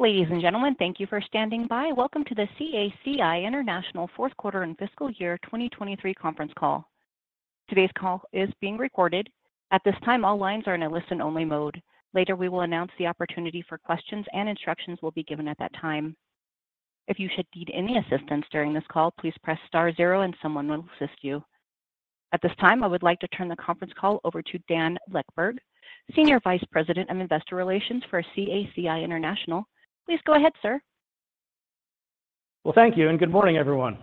Ladies and gentlemen, thank you for standing by. Welcome to the CACI International Fourth Quarter and Fiscal Year 2023 Conference Call. Today's call is being recorded. At this time, all lines are in a listen-only mode. Later, we will announce the opportunity for questions, and instructions will be given at that time. If you should need any assistance during this call, please press star zero and someone will assist you. At this time, I would like to turn the conference call over to Dan Leckburg, Senior Vice President of Investor Relations for CACI International. Please go ahead, sir. Well, thank you, and good morning, everyone.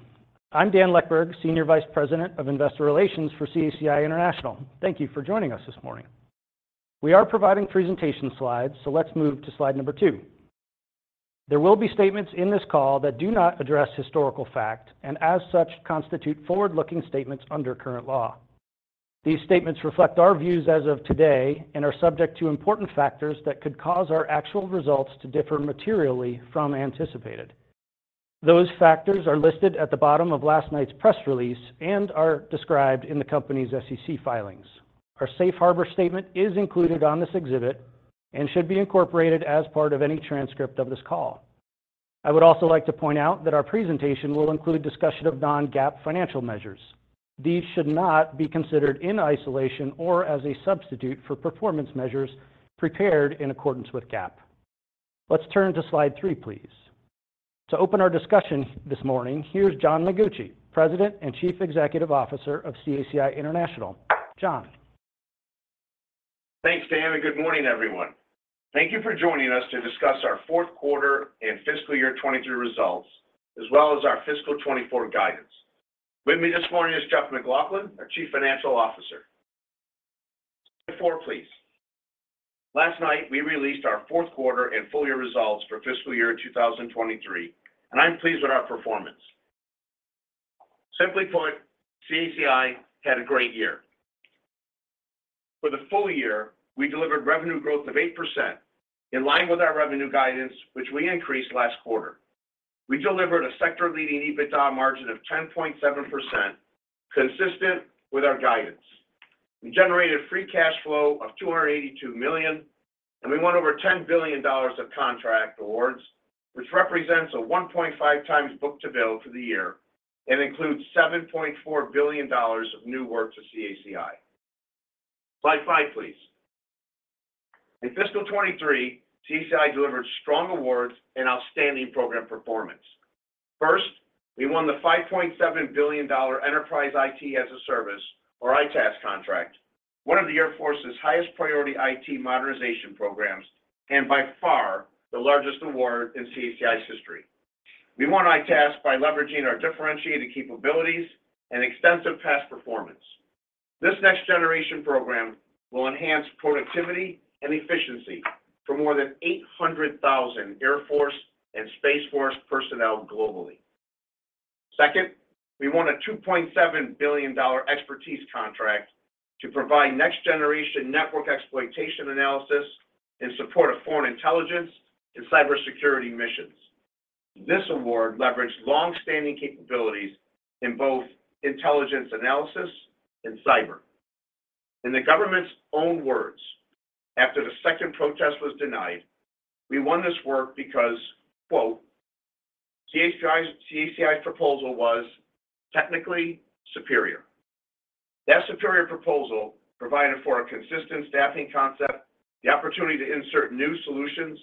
I'm Dan Leckburg, Senior Vice President of Investor Relations for CACI International. Thank you for joining us this morning. We are providing presentation slides. Let's move to slide number two. There will be statements in this call that do not address historical fact. As such, constitute forward-looking statements under current law. These statements reflect our views as of today and are subject to important factors that could cause our actual results to differ materially from anticipated. Those factors are listed at the bottom of last night's press release and are described in the company's SEC filings. Our safe harbor statement is included on this exhibit and should be incorporated as part of any transcript of this call. I would also like to point out that our presentation will include discussion of non-GAAP financial measures. These should not be considered in isolation or as a substitute for performance measures prepared in accordance with GAAP. Let's turn to slide 3, please. To open our discussion this morning, here's John Mengucci, President and Chief Executive Officer of CACI International. John? Thanks, Dan. Good morning, everyone. Thank you for joining us to discuss our Fourth Quarter and Fiscal Year 2023 Results, as well as our fiscal 2024 guidance. With me this morning is Jeff MacLauchlan, our Chief Financial Officer. Four, please. Last night, we released our fourth quarter and full year results for fiscal year 2023. I'm pleased with our performance. Simply put, CACI had a great year. For the full year, we delivered revenue growth of 8%, in line with our revenue guidance, which we increased last quarter. We delivered a sector-leading EBITDA margin of 10.7%, consistent with our guidance. We generated free cash flow of $282 million, and we won over $10 billion of contract awards, which represents a 1.5x book to bill for the year and includes $7.4 billion of new work to CACI. Slide 5, please. In fiscal 2023, CACI delivered strong awards and outstanding program performance. First, we won the $5.7 billion Enterprise IT as a Service or ITAS contract, one of the Air Force's highest priority IT modernization programs, and by far the largest award in CACI's history. We won ITAS by leveraging our differentiated capabilities and extensive past performance. This next generation program will enhance productivity and efficiency for more than 800,000 Air Force and Space Force personnel globally. Second, we won a $2.7 billion expertise contract to provide next generation network exploitation analysis in support of foreign intelligence and cybersecurity missions. This award leveraged long-standing capabilities in both intelligence analysis and cyber. In the government's own words, after the second protest was denied, we won this work because, quote, "CACI's, CACI's proposal was technically superior." That superior proposal provided for a consistent staffing concept, the opportunity to insert new solutions,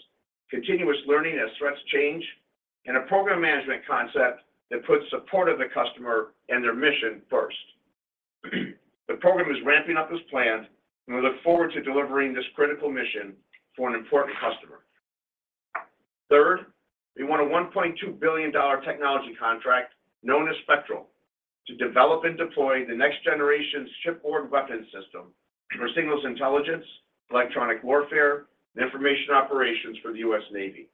continuous learning as threats change, and a program management concept that puts support of the customer and their mission first. The program is ramping up as planned, and we look forward to delivering this critical mission for an important customer. Third, we won a $1.2 billion technology contract known as Spectral to develop and deploy the next generation shipboard weapons system for signals intelligence, electronic warfare, and information operations for the U.S. Navy.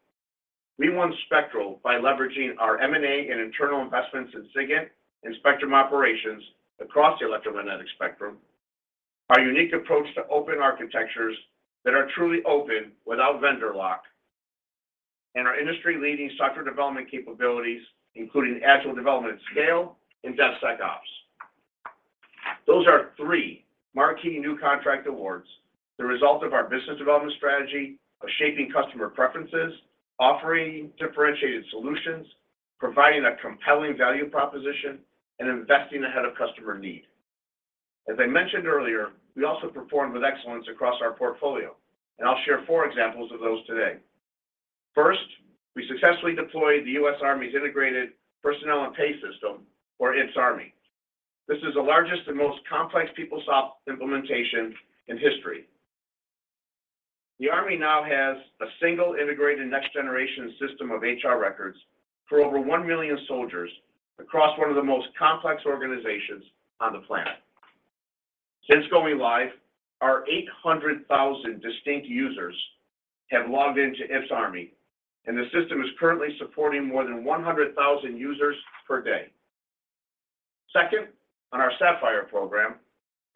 We won Spectral by leveraging our M&A and internal investments in SIGINT and spectrum operations across the electromagnetic spectrum, our unique approach to open architectures that are truly open without vendor lock, and our industry-leading software development capabilities, including agile development scale and DevSecOps. Those are three marquee new contract awards, the result of our business development strategy of shaping customer preferences, offering differentiated solutions, providing a compelling value proposition, and investing ahead of customer need. As I mentioned earlier, we also performed with excellence across our portfolio, I'll share four examples of those today. First, we successfully deployed the U.S. Army's integrated personnel and pay system, or IPPS-A. This is the largest and most complex PeopleSoft implementation in history. The Army now has a single, integrated, next generation system of HR records for over 1 million soldiers across one of the most complex organizations on the planet. Since going live, our 800,000 distinct users have logged into IPPS-A, and the system is currently supporting more than 100,000 users per day. Second, on our SAFFIRE program,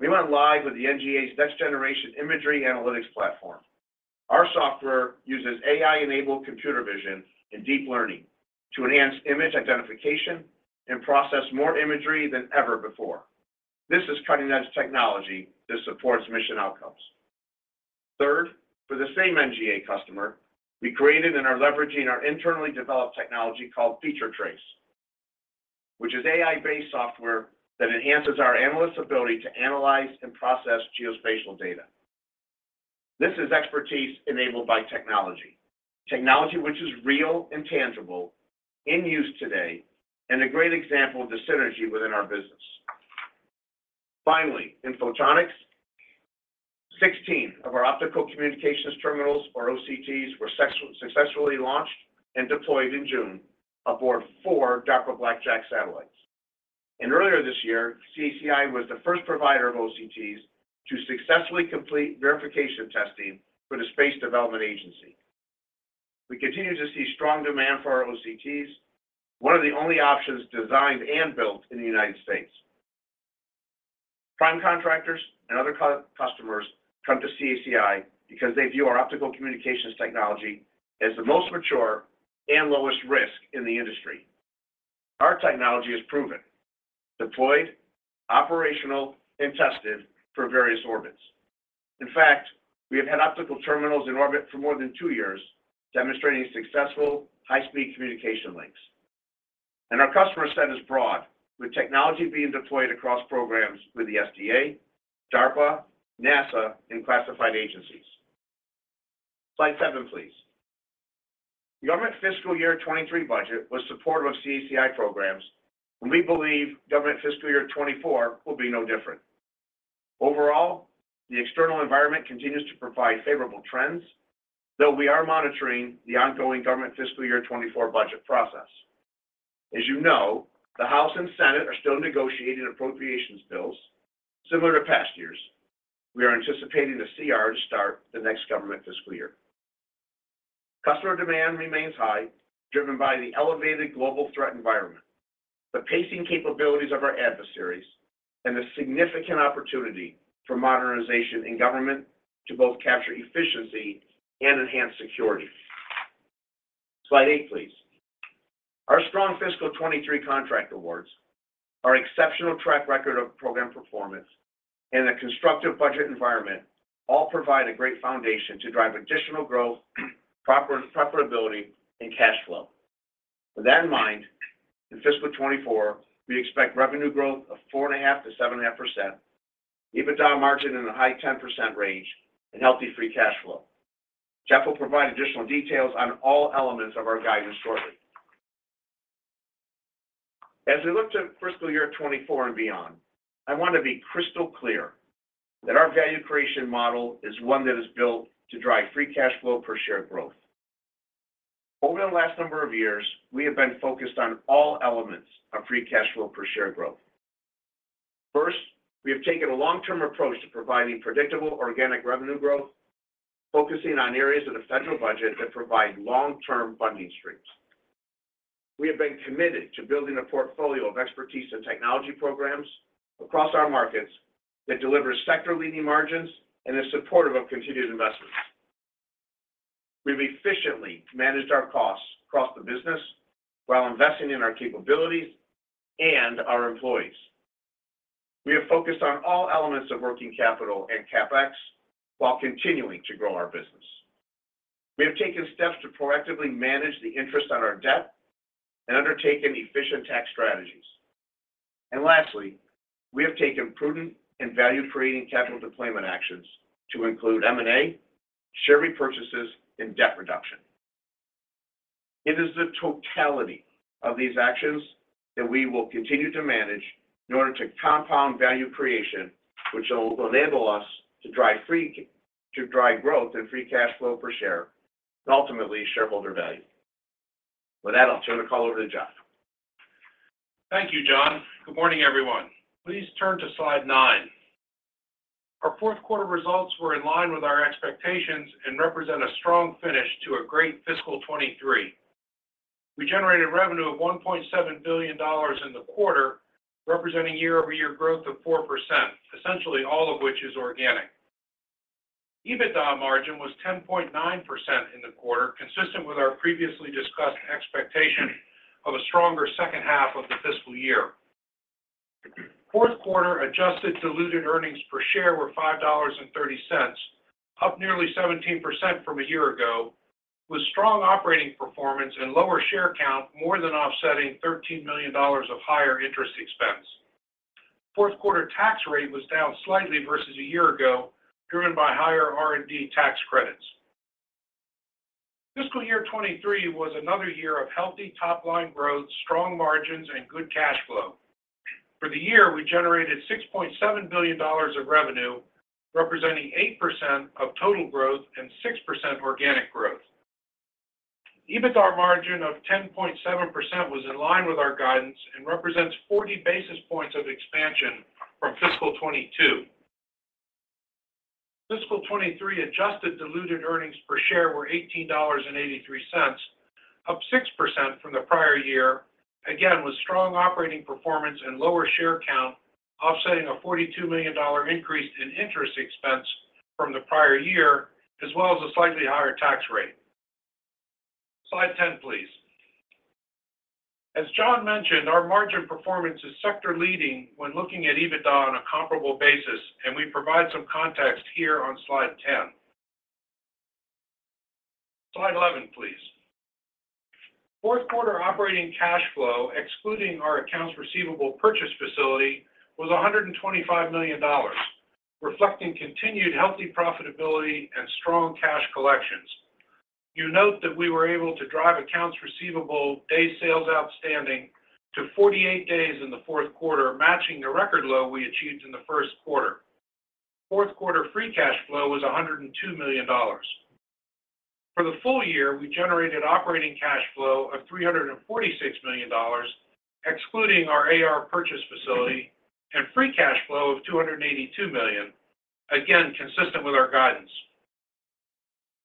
we went live with the NGA's next generation imagery analytics platform. Our software uses AI-enabled computer vision and deep learning to enhance image identification and process more imagery than ever before. This is cutting-edge technology that supports mission outcomes. Third, for the same NGA customer, we created and are leveraging our internally developed technology called FeatureTrace, which is AI-based software that enhances our analysts' ability to analyze and process geospatial data. This is expertise enabled by technology. Technology which is real and tangible, in use today, and a great example of the synergy within our business. Finally, in Photonics, 16 of our Optical Communication Terminals, or OCTs, were successfully launched and deployed in June aboard four DARPA Blackjack satellites. Earlier this year, CACI was the first provider of OCTs to successfully complete verification testing for the Space Development Agency. We continue to see strong demand for our OCTs, one of the only options designed and built in the United States. Prime contractors and other customers come to CACI because they view our optical communications technology as the most mature and lowest risk in the industry. Our technology is proven, deployed, operational, and tested for various orbits. In fact, we have had optical terminals in orbit for more than two years, demonstrating successful high-speed communication links. Our customer set is broad, with technology being deployed across programs with the SDA, DARPA, NASA, and classified agencies. Slide 7, please. The government fiscal year 23 budget was supportive of CACI programs, and we believe government fiscal year 24 will be no different. Overall, the external environment continues to provide favorable trends, though we are monitoring the ongoing government fiscal year 24 budget process. As you know, the House and Senate are still negotiating appropriations bills similar to past years. We are anticipating a CR to start the next government fiscal year. Customer demand remains high, driven by the elevated global threat environment, the pacing capabilities of our adversaries, and the significant opportunity for modernization in government to both capture efficiency and enhance security. Slide 8, please. Our strong fiscal 2023 contract awards, our exceptional track record of program performance, and a constructive budget environment all provide a great foundation to drive additional growth, profitability, and cash flow. With that in mind, in fiscal 2024, we expect revenue growth of 4.5%-7.5%, EBITDA margin in the high 10% range, and healthy free cash flow. Jeff will provide additional details on all elements of our guidance shortly. As we look to fiscal year 2024 and beyond, I want to be crystal clear that our value creation model is one that is built to drive free cash flow per share growth. Over the last number of years, we have been focused on all elements of free cash flow per share growth. First, we have taken a long-term approach to providing predictable organic revenue growth, focusing on areas of the federal budget that provide long-term funding streams. We have been committed to building a portfolio of expertise and technology programs across our markets that delivers sector-leading margins and is supportive of continued investments. We've efficiently managed our costs across the business while investing in our capabilities and our employees. We have focused on all elements of working capital and CapEx while continuing to grow our business. We have taken steps to proactively manage the interest on our debt and undertaken efficient tax strategies. Lastly, we have taken prudent and value-creating capital deployment actions to include M&A, share repurchases, and debt reduction. It is the totality of these actions that we will continue to manage in order to compound value creation, which will enable us to drive to drive growth and free cash flow per share and ultimately, shareholder value. With that, I'll turn the call over to Jeff. Thank you, John. Good morning, everyone. Please turn to slide 9. Our fourth quarter results were in line with our expectations and represent a strong finish to a great fiscal 2023. We generated revenue of $1.7 billion in the quarter, representing year-over-year growth of 4%, essentially all of which is organic. EBITDA margin was 10.9% in the quarter, consistent with our previously discussed expectation of a stronger second half of the fiscal year. Fourth quarter adjusted diluted earnings per share were $5.30, up nearly 17% from a year ago, with strong operating performance and lower share count, more than offsetting $13 million of higher interest expense. Fourth quarter tax rate was down slightly versus a year ago, driven by higher R&D tax credits. Fiscal year 2023 was another year of healthy top-line growth, strong margins, and good cash flow. For the year, we generated $6.7 billion of revenue, representing 8% of total growth and 6% organic growth. EBITDA margin of 10.7% was in line with our guidance and represents 40 basis points of expansion from fiscal 2022. Fiscal 2023 adjusted diluted earnings per share were $18.83, up 6% from the prior year. Again, with strong operating performance and lower share count, offsetting a $42 million increase in interest expense from the prior year, as well as a slightly higher tax rate. Slide 10, please. As John mentioned, our margin performance is sector-leading when looking at EBITDA on a comparable basis, and we provide some context here on slide 10. Slide 11, please. Fourth quarter operating cash flow, excluding our accounts receivable purchase facility, was $125 million, reflecting continued healthy profitability and strong cash collections. You note that we were able to drive accounts receivable, day sales outstanding, to 48 days in the fourth quarter, matching the record low we achieved in the first quarter. Fourth quarter free cash flow was $102 million. For the full year, we generated operating cash flow of $346 million, excluding our AR purchase facility, and free cash flow of $282 million. Again, consistent with our guidance.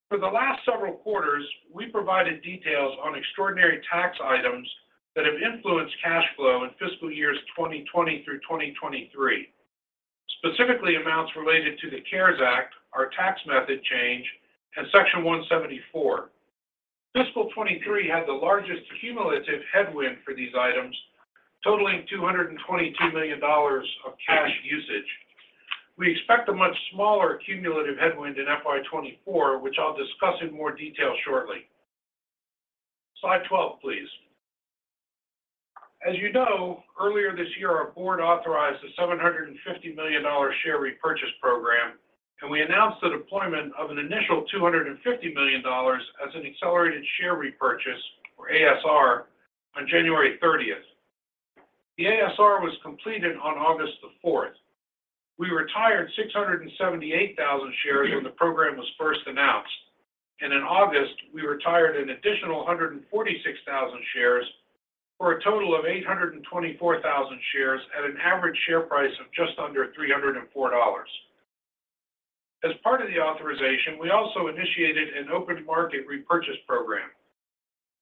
For the last several quarters, we provided details on extraordinary tax items that have influenced cash flow in fiscal years 2020 through 2023. Specifically, amounts related to the CARES Act, our tax method change, and Section 174. Fiscal 23 had the largest cumulative headwind for these items, totaling $222 million of cash usage. We expect a much smaller cumulative headwind in FY 24, which I'll discuss in more detail shortly. Slide 12, please. As you know, earlier this year, our board authorized a $750 million share repurchase program, and we announced the deployment of an initial $250 million as an accelerated share repurchase, or ASR, on January 30th. The ASR was completed on August 4th. We retired 678,000 shares when the program was first announced, and in August, we retired an additional 146,000 shares for a total of 824,000 shares at an average share price of just under $304. As part of the authorization, we also initiated an open market repurchase program.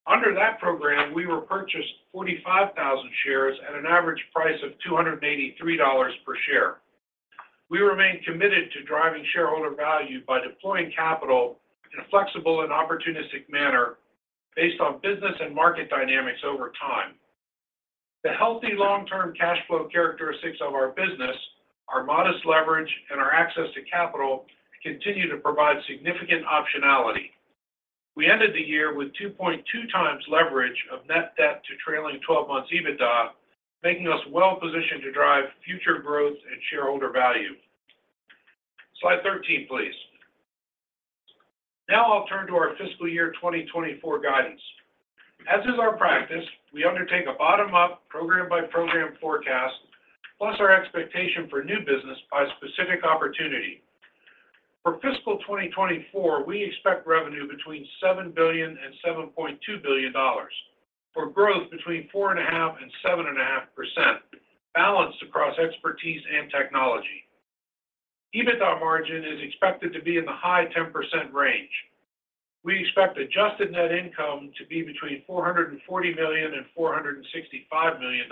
Under that program, we repurchased 45,000 shares at an average price of $283 per share. We remain committed to driving shareholder value by deploying capital in a flexible and opportunistic manner based on business and market dynamics over time. The healthy long-term cash flow characteristics of our business, our modest leverage, and our access to capital continue to provide significant optionality. We ended the year with 2.2x leverage of net debt to trailing 12 months EBITDA, making us well-positioned to drive future growth and shareholder value. Slide 13, please. Now I'll turn to our fiscal year 2024 guidance. As is our practice, we undertake a bottom-up program-by-program forecast, plus our expectation for new business by specific opportunity. For fiscal 2024, we expect revenue between $7 billion and $7.2 billion, for growth between 4.5% and 7.5%, balanced across expertise and technology. EBITDA margin is expected to be in the high 10% range. We expect adjusted net income to be between $440 million and $465 million,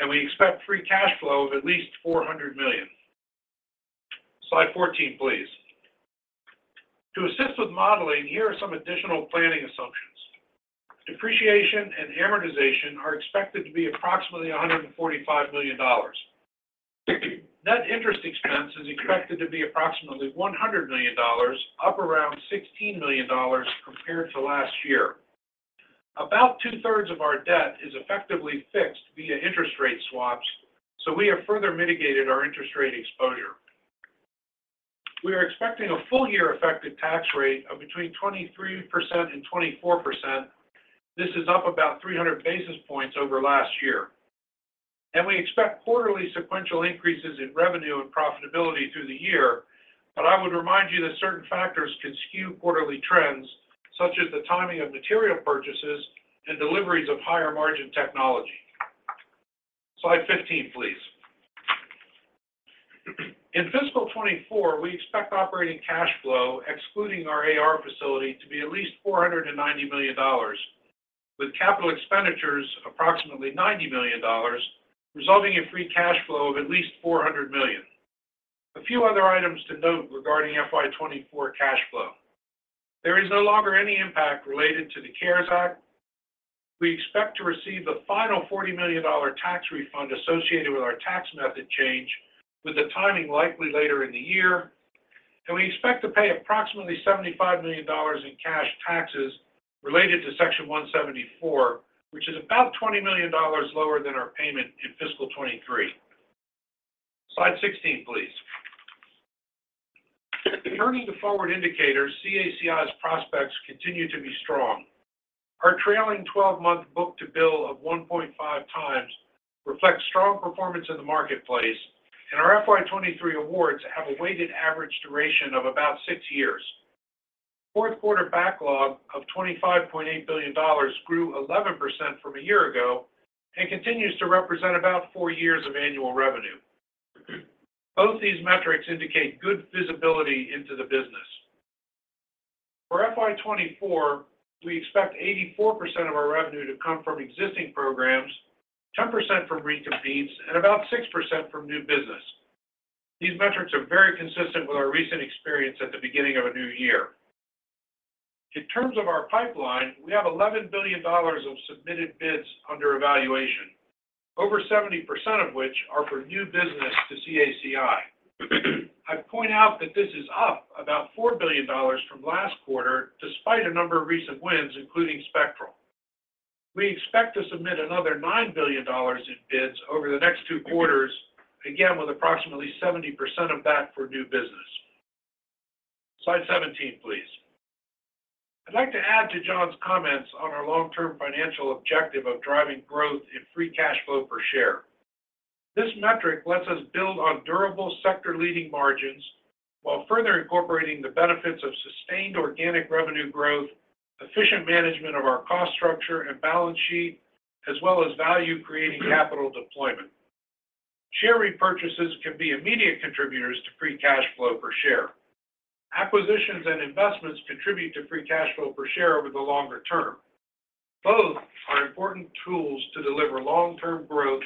and we expect free cash flow of at least $400 million. Slide 14, please. To assist with modeling, here are some additional planning assumptions. Depreciation and amortization are expected to be approximately $145 million. Net interest expense is expected to be approximately $100 million, up around $16 million compared to last year. About two-thirds of our debt is effectively fixed via interest rate swaps, so we have further mitigated our interest rate exposure. We are expecting a full year effective tax rate of between 23% and 24%. This is up about 300 basis points over last year. We expect quarterly sequential increases in revenue and profitability through the year. I would remind you that certain factors can skew quarterly trends, such as the timing of material purchases and deliveries of higher-margin technology. Slide 15, please. In fiscal 2024, we expect operating cash flow, excluding our AR facility, to be at least $490 million, with capital expenditures of approximately $90 million, resulting in free cash flow of at least $400 million. A few other items to note regarding FY 2024 cash flow. There is no longer any impact related to the CARES Act. We expect to receive the final $40 million tax refund associated with our tax method change, with the timing likely later in the year, and we expect to pay approximately $75 million in cash taxes related to Section 174, which is about $20 million lower than our payment in fiscal 2023. Slide 16, please. Turning to forward indicators, CACI's prospects continue to be strong. Our trailing twelve-month book to bill of 1.5 times reflects strong performance in the marketplace, and our FY 2023 awards have a weighted average duration of about 6 years. Fourth quarter backlog of $25.8 billion grew 11% from a year ago and continues to represent about 4 years of annual revenue. Both these metrics indicate good visibility into the business. For FY 2024, we expect 84% of our revenue to come from existing programs, 10% from recompetes, and about 6% from new business. These metrics are very consistent with our recent experience at the beginning of a new year. In terms of our pipeline, we have $11 billion of submitted bids under evaluation, over 70% of which are for new business to CACI. I point out that this is up about $4 billion from last quarter, despite a number of recent wins, including Spectral. We expect to submit another $9 billion in bids over the next two quarters, again, with approximately 70% of that for new business. Slide 17, please. I'd like to add to John's comments on our long-term financial objective of driving growth in free cash flow per share. This metric lets us build on durable, sector-leading margins, while further incorporating the benefits of sustained organic revenue growth, efficient management of our cost structure and balance sheet, as well as value-creating capital deployment. Share repurchases can be immediate contributors to free cash flow per share. Acquisitions and investments contribute to free cash flow per share over the longer term. Both are important tools to deliver long-term growth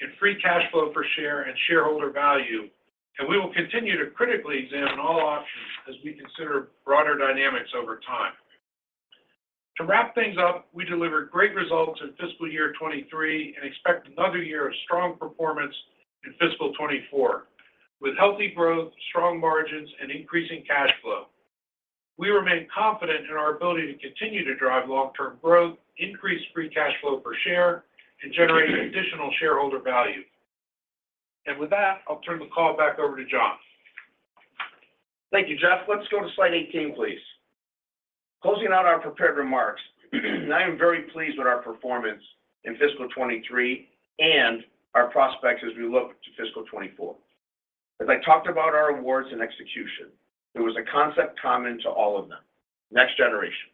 in free cash flow per share and shareholder value. We will continue to critically examine all options as we consider broader dynamics over time. To wrap things up, we delivered great results in fiscal year 2023 and expect another year of strong performance in fiscal 2024, with healthy growth, strong margins, and increasing cash flow. We remain confident in our ability to continue to drive long-term growth, increase free cash flow per share, and generate additional shareholder value. With that, I'll turn the call back over to John. Thank you, Jeff. Let's go to slide 18, please. Closing out our prepared remarks, I am very pleased with our performance in fiscal 2023 and our prospects as we look to fiscal 2024. As I talked about our awards and execution, there was a concept common to all of them, next generation.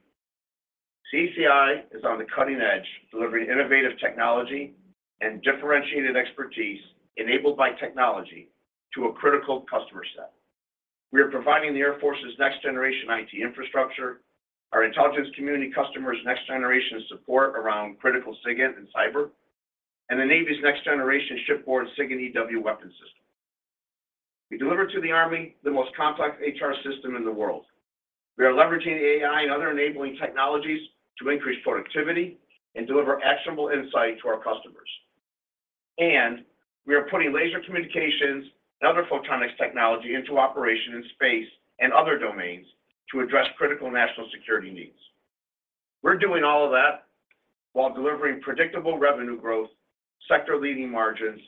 CACI is on the cutting edge, delivering innovative technology and differentiated expertise enabled by technology to a critical customer set. We are providing the Air Force's next generation IT infrastructure, our intelligence community customers next generation support around critical SIGINT and cyber, and the Navy's next generation shipboard SIGINT EW weapon system. We deliver to the Army the most complex HR system in the world. We are leveraging AI and other enabling technologies to increase productivity and deliver actionable insight to our customers. We are putting laser communications and other photonics technology into operation in space and other domains to address critical national security needs. We're doing all of that while delivering predictable revenue growth, sector-leading margins,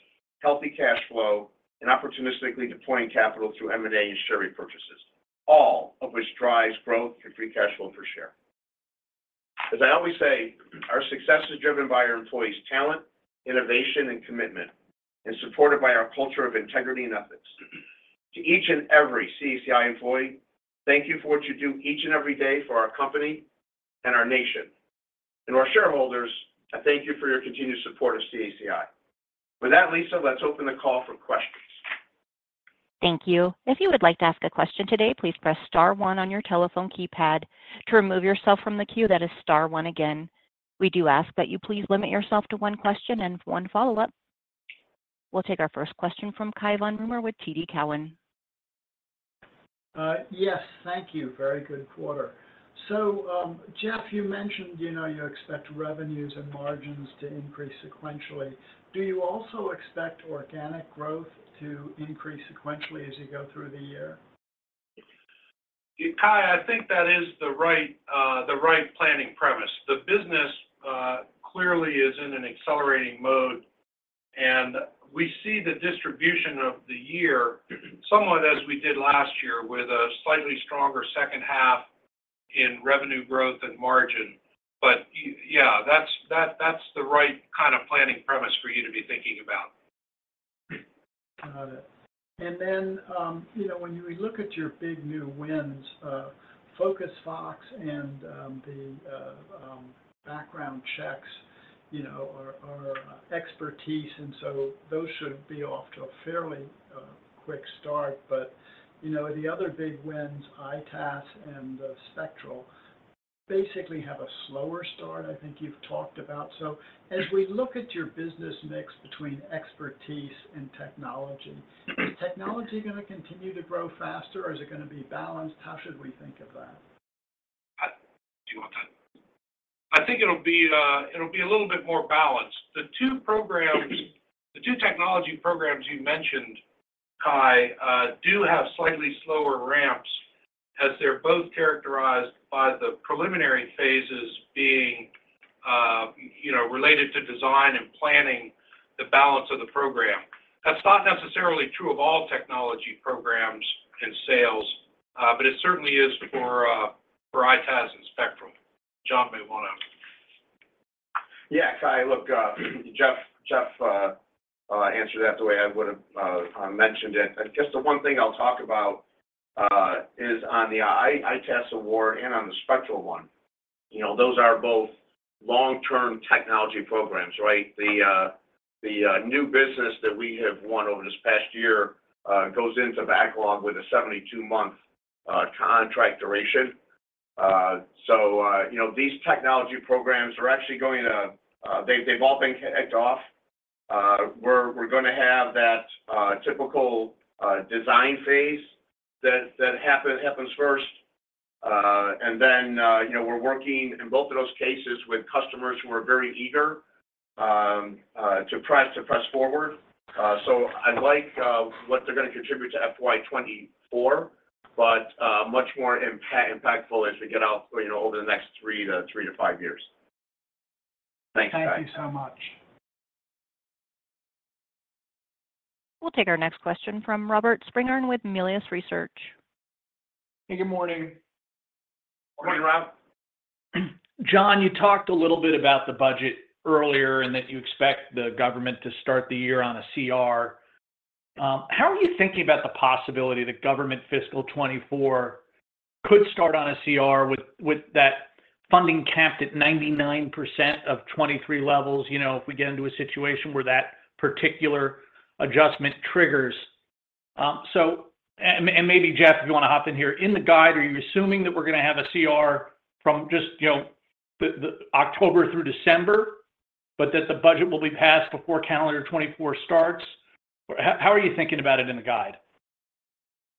healthy cash flow, and opportunistically deploying capital through M&A and share repurchases, all of which drives growth and free cash flow per share. As I always say, our success is driven by our employees' talent, innovation, and commitment, and supported by our culture of integrity and ethics. To each and every CACI employee, thank you for what you do each and every day for our company and our nation. Our shareholders, I thank you for your continued support of CACI. With that, Lisa, let's open the call for questions. Thank you. If you would like to ask a question today, please press star one on your telephone keypad. To remove yourself from the queue, that is star one again. We do ask that you please limit yourself to one question and one follow-up. We'll take our first question from Cai von Rumohr with TD Cowen. Yes, thank you. Very good quarter. Jeff, you mentioned, you know, you expect revenues and margins to increase sequentially. Do you also expect organic growth to increase sequentially as you go through the year? Cai, I think that is the right, the right planning premise. The business, clearly is in an accelerating mode, and we see the distribution of the year somewhat as we did last year, with a slightly stronger second half in revenue growth and margin. Yeah, that's, that, that's the right kind of planning premise for you to be thinking about. Got it. Then, you know, when you look at your big new wins, FocusedFox and, the background checks, you know, are, are expertise, and so those should be off to a fairly quick start. You know, the other big wins, EITaaS and Spectral, basically have a slower start, I think you've talked about. As we look at your business mix between expertise and technology, is technology gonna continue to grow faster, or is it gonna be balanced? How should we think of that? Do you want that? I think it'll be, it'll be a little bit more balanced. The two programs, the two technology programs you mentioned, Cai, do have slightly slower ramps as they're both characterized by the preliminary phases being, you know, related to design and planning the balance of the program. That's not necessarily true of all technology programs and sales, but it certainly is for, for EITaaS and Spectral. John may wanna add-. Yeah, Cai, look, Jeff, Jeff, answered that the way I would have mentioned it. I guess the one thing I'll talk about is on the EITaaS award and on the Spectral one, you know, those are both long-term technology programs, right? The new business that we have won over this past year goes into backlog with a 72-month contract duration. You know, these technology programs are actually going to, they, they've all been kicked off. We're, we're gonna have that typical design phase that happens first. Then, you know, we're working in both of those cases with customers who are very eager to try to press forward. I like what they're gonna contribute to FY 2024, but much more impactful as we get out, you know, over the next 3 to 5 years. Thanks, guys. Thank you so much. We'll take our next question from Robert Spingarn with Melius Research. Hey, good morning. Morning, Rob. John, you talked a little bit about the budget earlier, and that you expect the government to start the year on a CR. How are you thinking about the possibility that government fiscal 2024 could start on a CR with, with that funding capped at 99% of 2023 levels? You know, if we get into a situation where that particular adjustment triggers. Maybe, Jeff, if you wanna hop in here. In the guide, are you assuming that we're gonna have a CR from just, you know, the, the October through December, but that the budget will be passed before calendar 2024 starts? How, how are you thinking about it in the guide?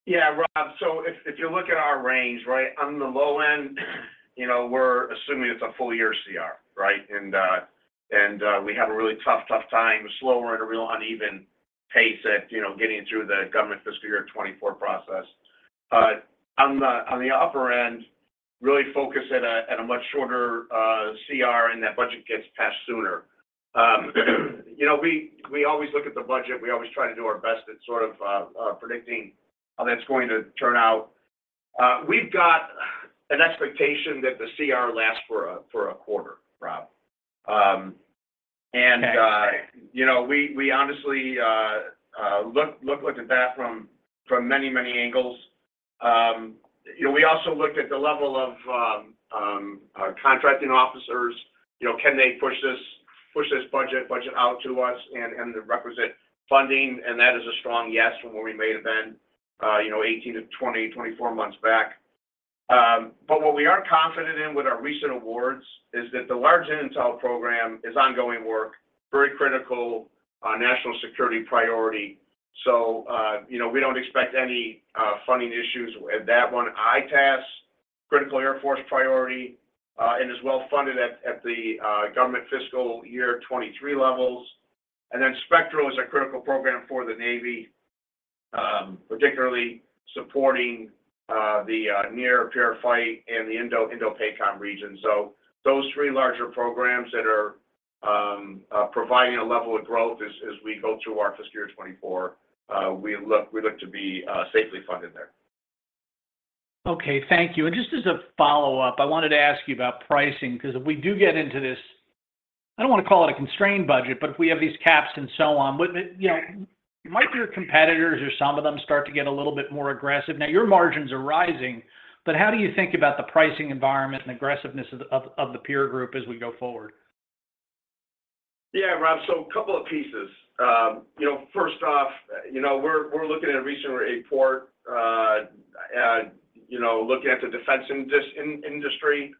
Yeah, Rob, if, if you look at our range, right? On the low end, you know, we're assuming it's a full year CR, right? We have a really tough, tough time, slower and a real uneven pace at, you know, getting through the government fiscal year 24 process. On the, on the upper end, really focus at a much shorter CR, and that budget gets passed sooner. You know, we, we always look at the budget. We always try to do our best at sort of predicting how that's going to turn out. We've got an expectation that the CR lasts for a quarter, Rob. Right. you know, we, we honestly, look, look at that from, from many, many angles. you know, we also looked at the level of, our contracting officers. You know, can they push this, push this budget, budget out to us and, and the requisite funding? That is a strong yes from where we may have been, you know, 18 to 20, 24 months back. What we are confident in with our recent awards is that the large Intel program is ongoing work, very critical, national security priority. We don't expect any, funding issues with that one. EITaaS, critical Air Force priority, and is well funded at, at the, government fiscal year 23 levels. Spectra is a critical program for the Navy, particularly supporting the near peer fight in the Indo-Indo PACOM region. Those three larger programs that are providing a level of growth as we go through our fiscal year 24, we look, we look to be safely funded there. Okay. Thank you. Just as a follow up, I wanted to ask you about pricing, 'cause if we do get into this, I don't wanna call it a constrained budget, if we have these caps and so on, would it You know, might your competitors or some of them start to get a little bit more aggressive? Now, your margins are rising, but how do you think about the pricing environment and aggressiveness of the, of, of the peer group as we go forward? Yeah, Rob. A couple of pieces. You know, first off, you know, we're, we're looking at a recent report, you know, looking at the defense industry.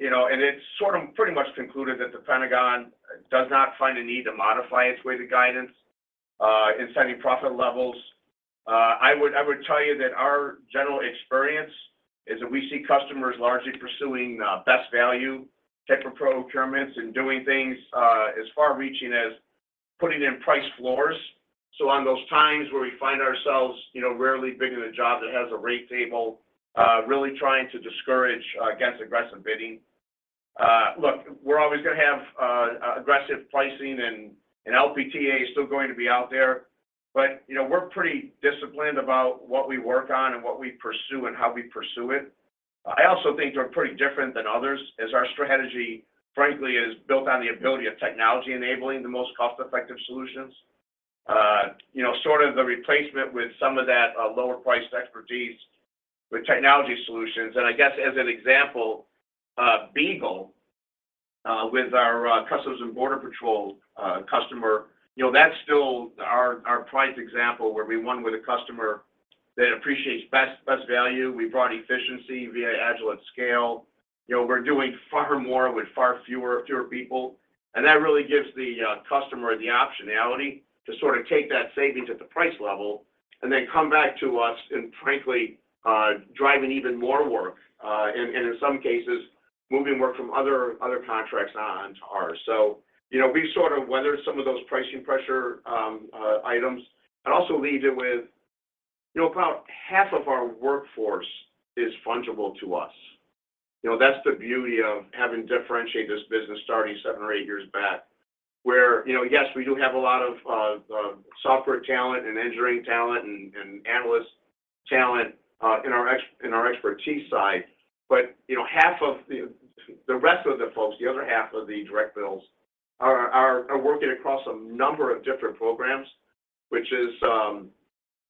You know, it's sort of pretty much concluded that The Pentagon does not find a need to modify its weighted guidelines in setting profit levels. I would, I would tell you that our general experience is that we see customers largely pursuing best value type of procurements and doing things as far-reaching as putting in price floors. On those times where we find ourselves, you know, rarely bidding a job that has a rate table, really trying to discourage against aggressive bidding. Look, we're always gonna have aggressive pricing, and LPTA is still going to be out there. You know, we're pretty disciplined about what we work on and what we pursue and how we pursue it. I also think we're pretty different than others, as our strategy, frankly, is built on the ability of technology enabling the most cost-effective solutions. You know, sort of the replacement with some of that lower-priced expertise with technology solutions. I guess as an example, BEAGLE, with our U.S. Customs and Border Protection customer, you know, that's still our prime example where we won with a customer that appreciates best, best value. We brought efficiency via agile at scale. You know, we're doing far more with far fewer, fewer people, and that really gives the customer the optionality to sort of take that savings at the price level and then come back to us and frankly, driving even more work, and, and in some cases, moving work from other, other contracts on to ours. You know, we sort of weathered some of those pricing pressure items. I'd also leave you with, you know, about half of our workforce is fungible to us. You know, that's the beauty of having differentiated this business starting seven or eight years back, where, you know, yes, we do have a lot of software talent and engineering talent and, and analyst talent in our expertise side. You know, half of the, the rest of the folks, the other half of the direct bills, are, are, are working across a number of different programs, which is,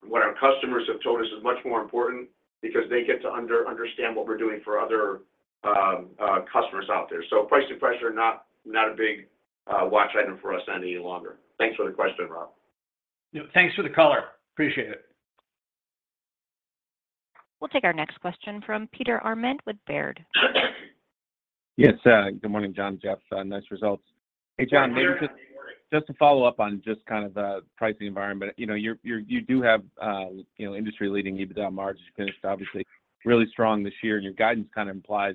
what our customers have told us is much more important because they get to understand what we're doing for other, customers out there. Pricing pressure, not, not a big, watch item for us any longer. Thanks for the question, Rob. Thanks for the color. Appreciate it. We'll take our next question from Peter Arment with Baird. Yes. Good morning, John, Jeff. Nice results. Hey, John, maybe just, just to follow up on just kind of the pricing environment. You know, you do have, you know, industry-leading EBITDA margins. You finished obviously really strong this year, and your guidance kind of implies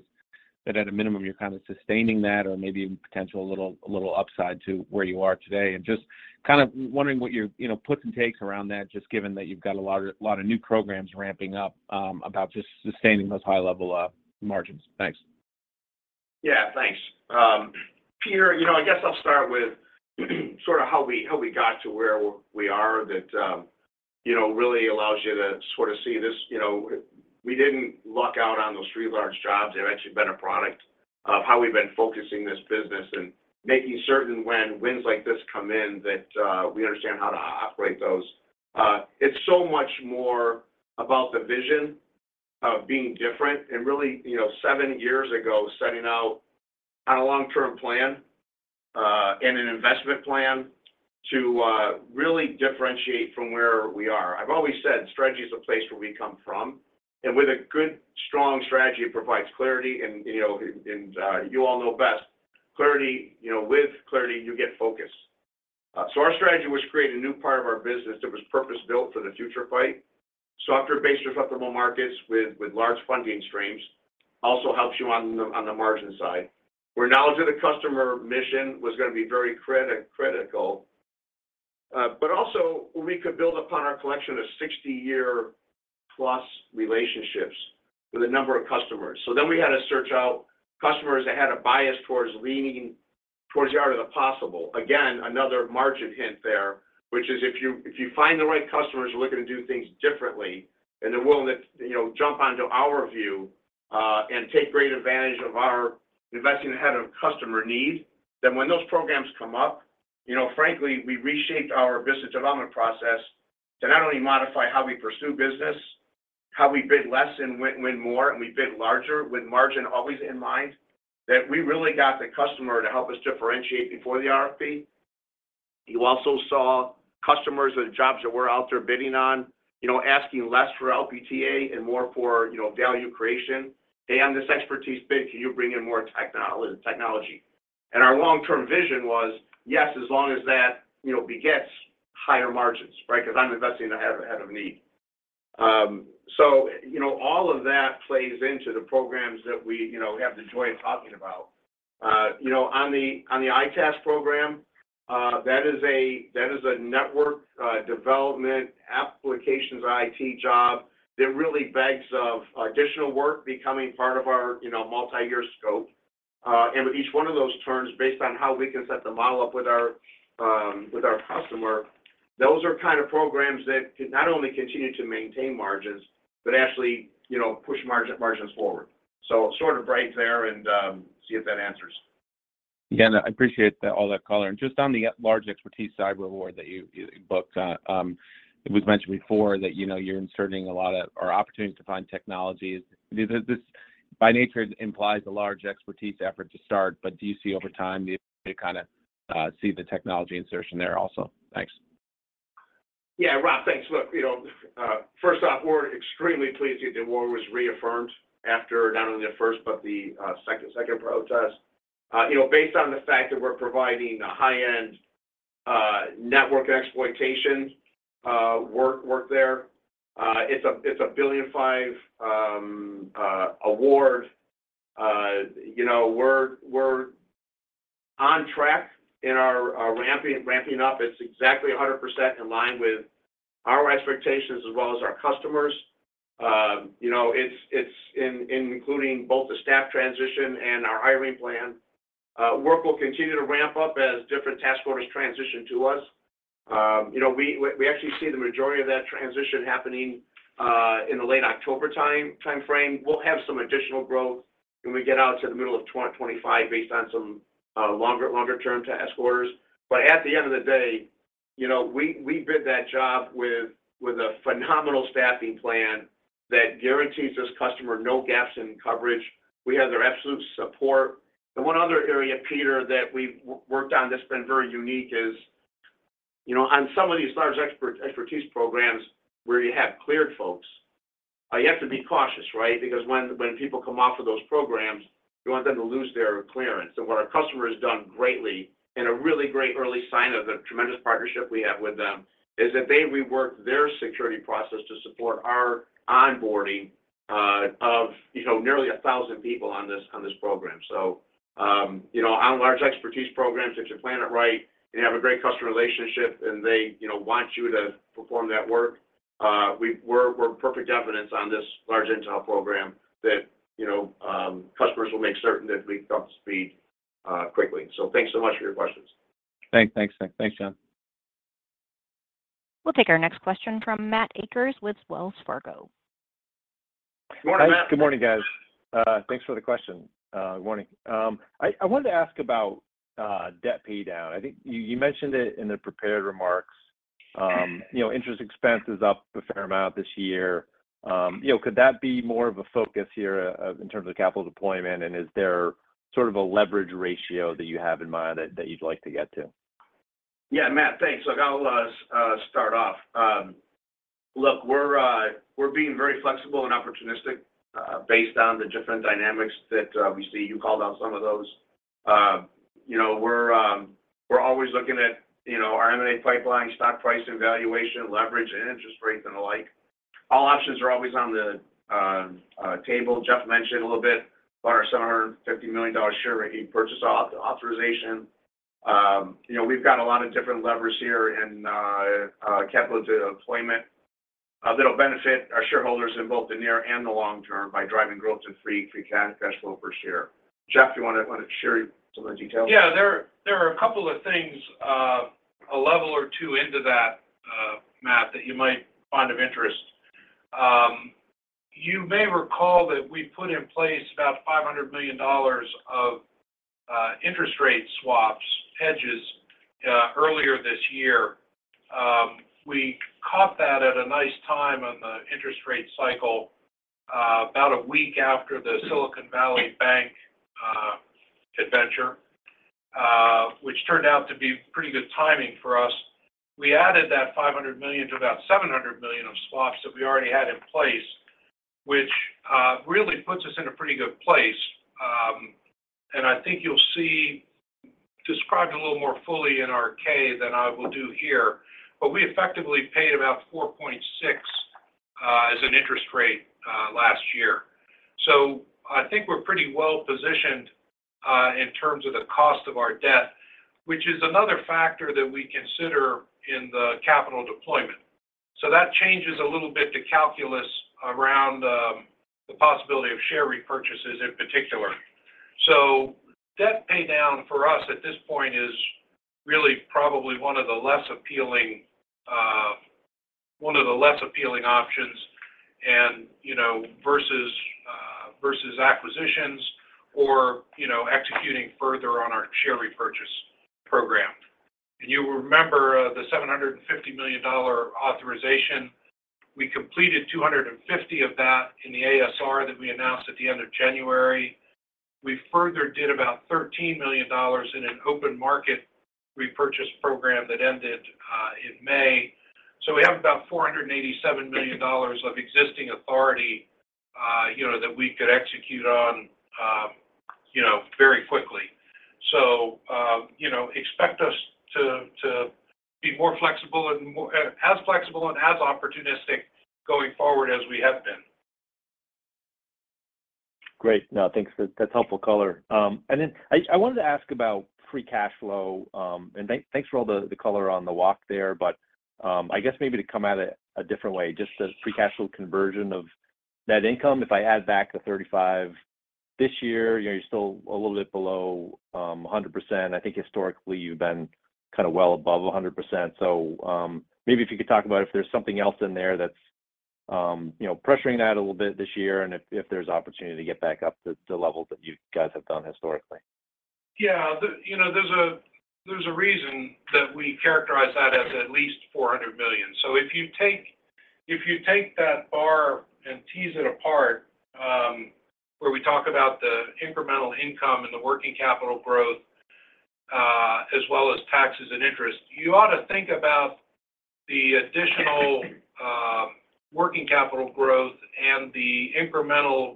that at a minimum, you're kind of sustaining that or maybe even potential a little, a little upside to where you are today. Just kind of wondering what your, you know, puts and takes around that, just given that you've got a lot of, lot of new programs ramping up, about just sustaining those high level margins? Thanks. Yeah, thanks. Peter, you know, I guess I'll start with sort of how we, how we got to where we are, that, you know, really allows you to sort of see this. You know, we didn't luck out on those three large jobs. They've actually been a product of how we've been focusing this business and making certain when wins like this come in, that we understand how to operate those. It's so much more about the vision of being different and really, you know, seven years ago, setting out on a long-term plan, and an investment plan to really differentiate from where we are. I've always said strategy is a place where we come from, and with a good, strong strategy, it provides clarity and, you know, and you all know best. Clarity, you know, with clarity, you get focus. Our strategy was to create a new part of our business that was purpose-built for the future fight. Software-based susceptible markets with large funding streams also helps you on the, on the margin side, where knowledge of the customer mission was gonna be very critical, but also we could build upon our collection of 60-year-plus relationships with a number of customers. Then we had to search out customers that had a bias towards leaning towards the art of the possible. Another margin hint there, which is if you, if you find the right customers who are looking to do things differently and are willing to, you know, jump onto our view, and take great advantage of our investing ahead of customer need, then when those programs come up, you know, frankly, we reshaped our business development process to not only modify how we pursue business, how we bid less and win, win more, and we bid larger with margin always in mind, that we really got the customer to help us differentiate before the RFP. You also saw customers or the jobs that we're out there bidding on, you know, asking less for LPTA and more for, you know, value creation. Hey, on this expertise bid, can you bring in more technolo- technology?" Our long-term vision was, yes, as long as that, you know, begets higher margins, right. Because I'm investing ahead, ahead of need. You know, all of that plays into the programs that we, you know, have the joy of talking about. You know, on the, on the EITaaS program, that is a, that is a network, development applications IT job that really begs of additional work becoming part of our, you know, multiyear scope. With each one of those turns, based on how we can set the model up with our, with our customer, those are kind of programs that can not only continue to maintain margins, but actually, you know, push margin, margins forward. Sort of right there, see if that answers. Yeah, I appreciate that, all that color. Just on the large expertise side reward that you, you booked, it was mentioned before that, you know, you're inserting a lot of or opportunities to find technologies. This, this, by nature, implies a large expertise effort to start, do you see over time, do you kind of, see the technology insertion there also? Thanks. Yeah, Rob, thanks. Look, you know, first off, we're extremely pleased that the award was reaffirmed after not only the first, but the second, second protest. You know, based on the fact that we're providing a high-end, network exploitation, work, work there, it's a $1.5 billion award. You know, we're on track in our ramping, ramping up. It's exactly 100% in line with our expectations as well as our customers. You know, it's, it's in, including both the staff transition and our hiring plan, work will continue to ramp up as different task orders transition to us. You know, we actually see the majority of that transition happening in the late October time, time frame. We'll have some additional growth when we get out to the middle of 2025, based on some longer, longer-term task orders. At the end of the day, you know, we, we bid that job with, with a phenomenal staffing plan that guarantees this customer no gaps in coverage. We have their absolute support. One other area, Peter, that we've worked on that's been very unique is, you know, on some of these large expertise programs where you have cleared folks, you have to be cautious, right? Because when, when people come off of those programs, you don't want them to lose their clearance. What our customer has done greatly, and a really great early sign of the tremendous partnership we have with them, is that they reworked their security process to support our onboarding of, you know, nearly 1,000 people on this, on this program. You know, on large expertise programs, if you plan it right, and you have a great customer relationship, and they, you know, want you to perform that work, we're, we're perfect evidence on this large intel program that, you know, customers will make certain that we come up to speed quickly. Thanks so much for your questions. Thanks. Thanks. Thanks, John. We'll take our next question from Matthew Akers with Wells Fargo. Good morning, Matt. Good morning, guys. Thanks for the question. Good morning. I, I wanted to ask about debt pay down. I think you, you mentioned it in the prepared remarks. You know, interest expense is up a fair amount this year. You know, could that be more of a focus here in terms of capital deployment, and is there sort of a leverage ratio that you have in mind that, that you'd like to get to? Yeah, Matt, thanks. Look, I'll start off. Look, we're being very flexible and opportunistic based on the different dynamics that we see. You called out some of those. You know, we're always looking at, you know, our M&A pipeline, stock price, and valuation, leverage, and interest rates, and the like. All options are always on the table. Jeff mentioned a little bit about our $750 million share repurchase authorization. You know, we've got a lot of different levers here in capital deployment that'll benefit our shareholders in both the near and the long term by driving growth in free, free cash flow per share. Jeff, you wanna share some of the details? Yeah. There, there are a couple of things, a level or two into that, Matt, that you might find of interest. You may recall that we put in place about $500 million of interest rate swaps, hedges, earlier this year. We caught that at a nice time on the interest rate cycle, about a week after the Silicon Valley Bank adventure, which turned out to be pretty good timing for us. We added that $500 million to about $700 million of swaps that we already had in place, which really puts us in a pretty good place. I think you'll see described a little more fully in our K than I will do here, but we effectively paid about 4.6 as an interest rate last year. I think we're pretty well positioned in terms of the cost of our debt, which is another factor that we consider in the capital deployment. That changes a little bit, the calculus around the possibility of share repurchases in particular. Debt paydown for us at this point is really probably one of the less appealing, one of the less appealing options and, you know, versus versus acquisitions or, you know, executing further on our share repurchase program. You remember the $750 million authorization, we completed 250 of that in the ASR that we announced at the end of January. We further did about $13 million in an open market repurchase program that ended in May. We have about $487 million of existing authority, you know, that we could execute on, you know, very quickly. You know, expect us to be as flexible and as opportunistic going forward as we have been. Great. No, thanks. That, that's helpful color. I, I wanted to ask about free cash flow. Thank, thanks for all the, the color on the walk there, but I guess maybe to come at it a different way, just the free cash flow conversion of net income. If I add back the $35 this year, you're still a little bit below 100%. I think historically you've been kind of well above 100%. Maybe if you could talk about if there's something else in there that's, you know, pressuring that a little bit this year, and if, if there's opportunity to get back up to the levels that you guys have done historically. Yeah. The, you know, there's a reason that we characterize that as at least $400 million. If you take, if you take that bar and tease it apart, where we talk about the incremental income and the working capital growth, as well as taxes and interest, you ought to think about the additional working capital growth and the incremental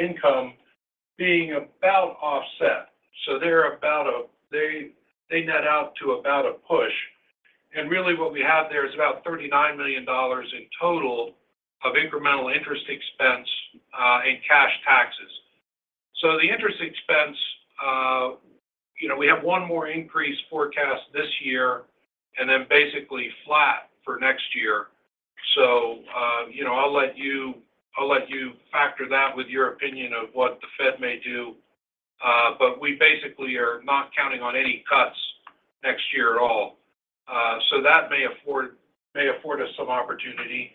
income being about offset. They net out to about a push. Really what we have there is about $39 million in total of incremental interest expense and cash taxes. The interest expense, you know, we have one more increase forecast this year and then basically flat for next year. You know, I'll let you, I'll let you factor that with your opinion of what the Fed may do. We basically are not counting on any cuts next year at all. That may afford, may afford us some opportunity.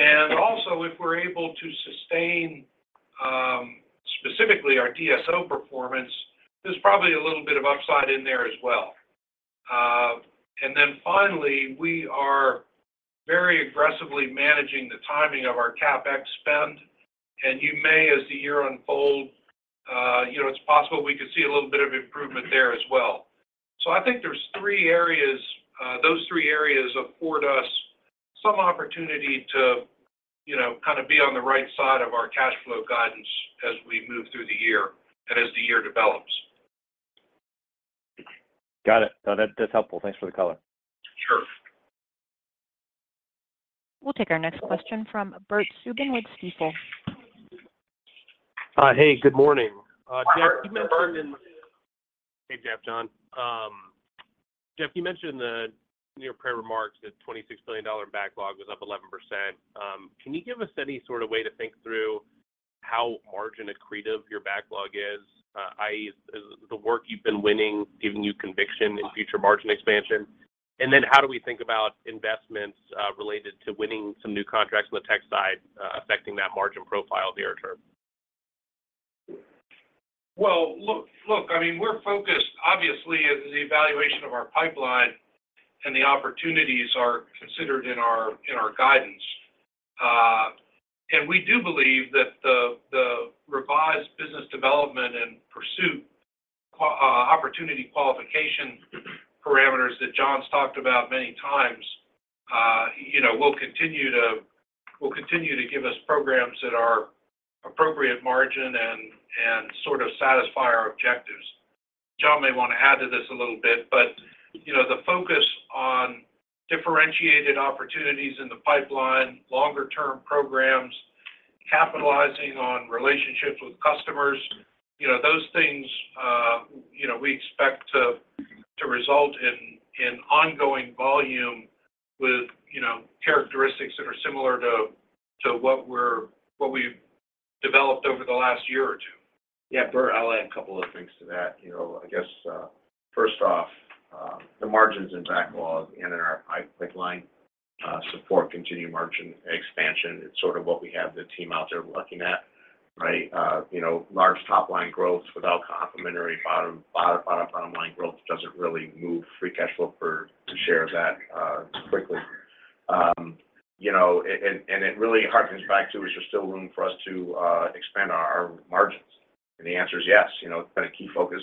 Also, if we're able to sustain, specifically our DSO performance, there's probably a little bit of upside in there as well. Finally, we are very aggressively managing the timing of our CapEx spend, and you may, as the year unfold, you know, it's possible we could see a little bit of improvement there as well. I think there's three areas, those three areas afford us some opportunity to, you know, kind of be on the right side of our cash flow guidance as we move through the year and as the year develops. Got it. No, that, that's helpful. Thanks for the color. Sure. We'll take our next question from Bert Subin with Stifel. Hey, good morning. Jeff, you mentioned- Hey, Jeff, John. Jeff, you mentioned in your prior remarks that $26 billion backlog was up 11%. Can you give us any sort of way to think through how margin accretive your backlog is? I.e., is the work you've been winning, giving you conviction in future margin expansion? Then how do we think about investments, related to winning some new contracts on the tech side, affecting that margin profile near term? Well, look, look, I mean, we're focused, obviously, as the evaluation of our pipeline and the opportunities are considered in our, in our guidance. We do believe that the, the revised business development and pursuit, opportunity qualification parameters that John's talked about many times, you know, will continue to, will continue to give us programs that are appropriate margin and, and sort of satisfy our objectives. John may want to add to this a little bit, but, you know, the focus on differentiated opportunities in the pipeline, longer-term programs, capitalizing on relationships with customers, you know, those things, you know, we expect to, to result in, in ongoing volume with, you know, characteristics that are similar to, to what we're, what we've developed over the last year or two. Yeah, Bert, I'll add a couple of things to that. You know, I guess, first off, the margins in backlog and in our pipeline, support continued margin expansion. It's sort of what we have the team out there looking at, right? You know, large top-line growth without complementary bottom, bottom, bottom line growth doesn't really move free cash flow per to share that quickly. You know, and, and, and it really harkens back to, is there still room for us to expand our margins? And the answer is yes. You know, it's been a key focus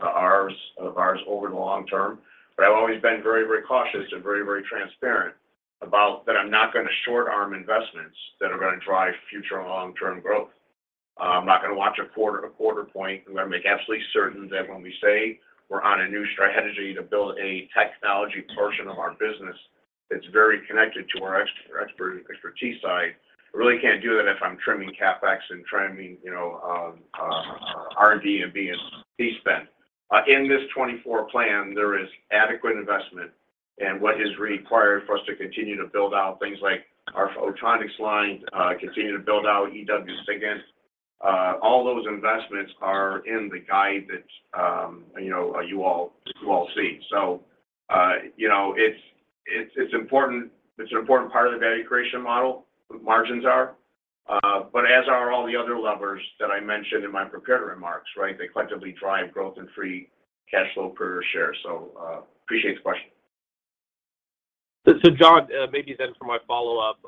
of ours, of ours over the long term, but I've always been very, very cautious and very, very transparent about that I'm not gonna short-arm investments that are gonna drive future long-term growth. I'm not gonna watch a quarter to quarter point. I'm gonna make absolutely certain that when we say we're on a new strategy to build a technology portion of our business that's very connected to our expert, expertise side, I really can't do that if I'm trimming CapEx and trimming, you know, R&D and B&P spend. In this 2024 plan, there is adequate investment and what is required for us to continue to build out things like our photonics line, continue to build out EW SIGINT. All those investments are in the guide that, you know, you all, you all see. It's, it's, it's important, it's an important part of the value creation model, margins are. But as are all the other levers that I mentioned in my prepared remarks, right? They collectively drive growth and free cash flow per share. Appreciate the question. John, maybe for my follow up,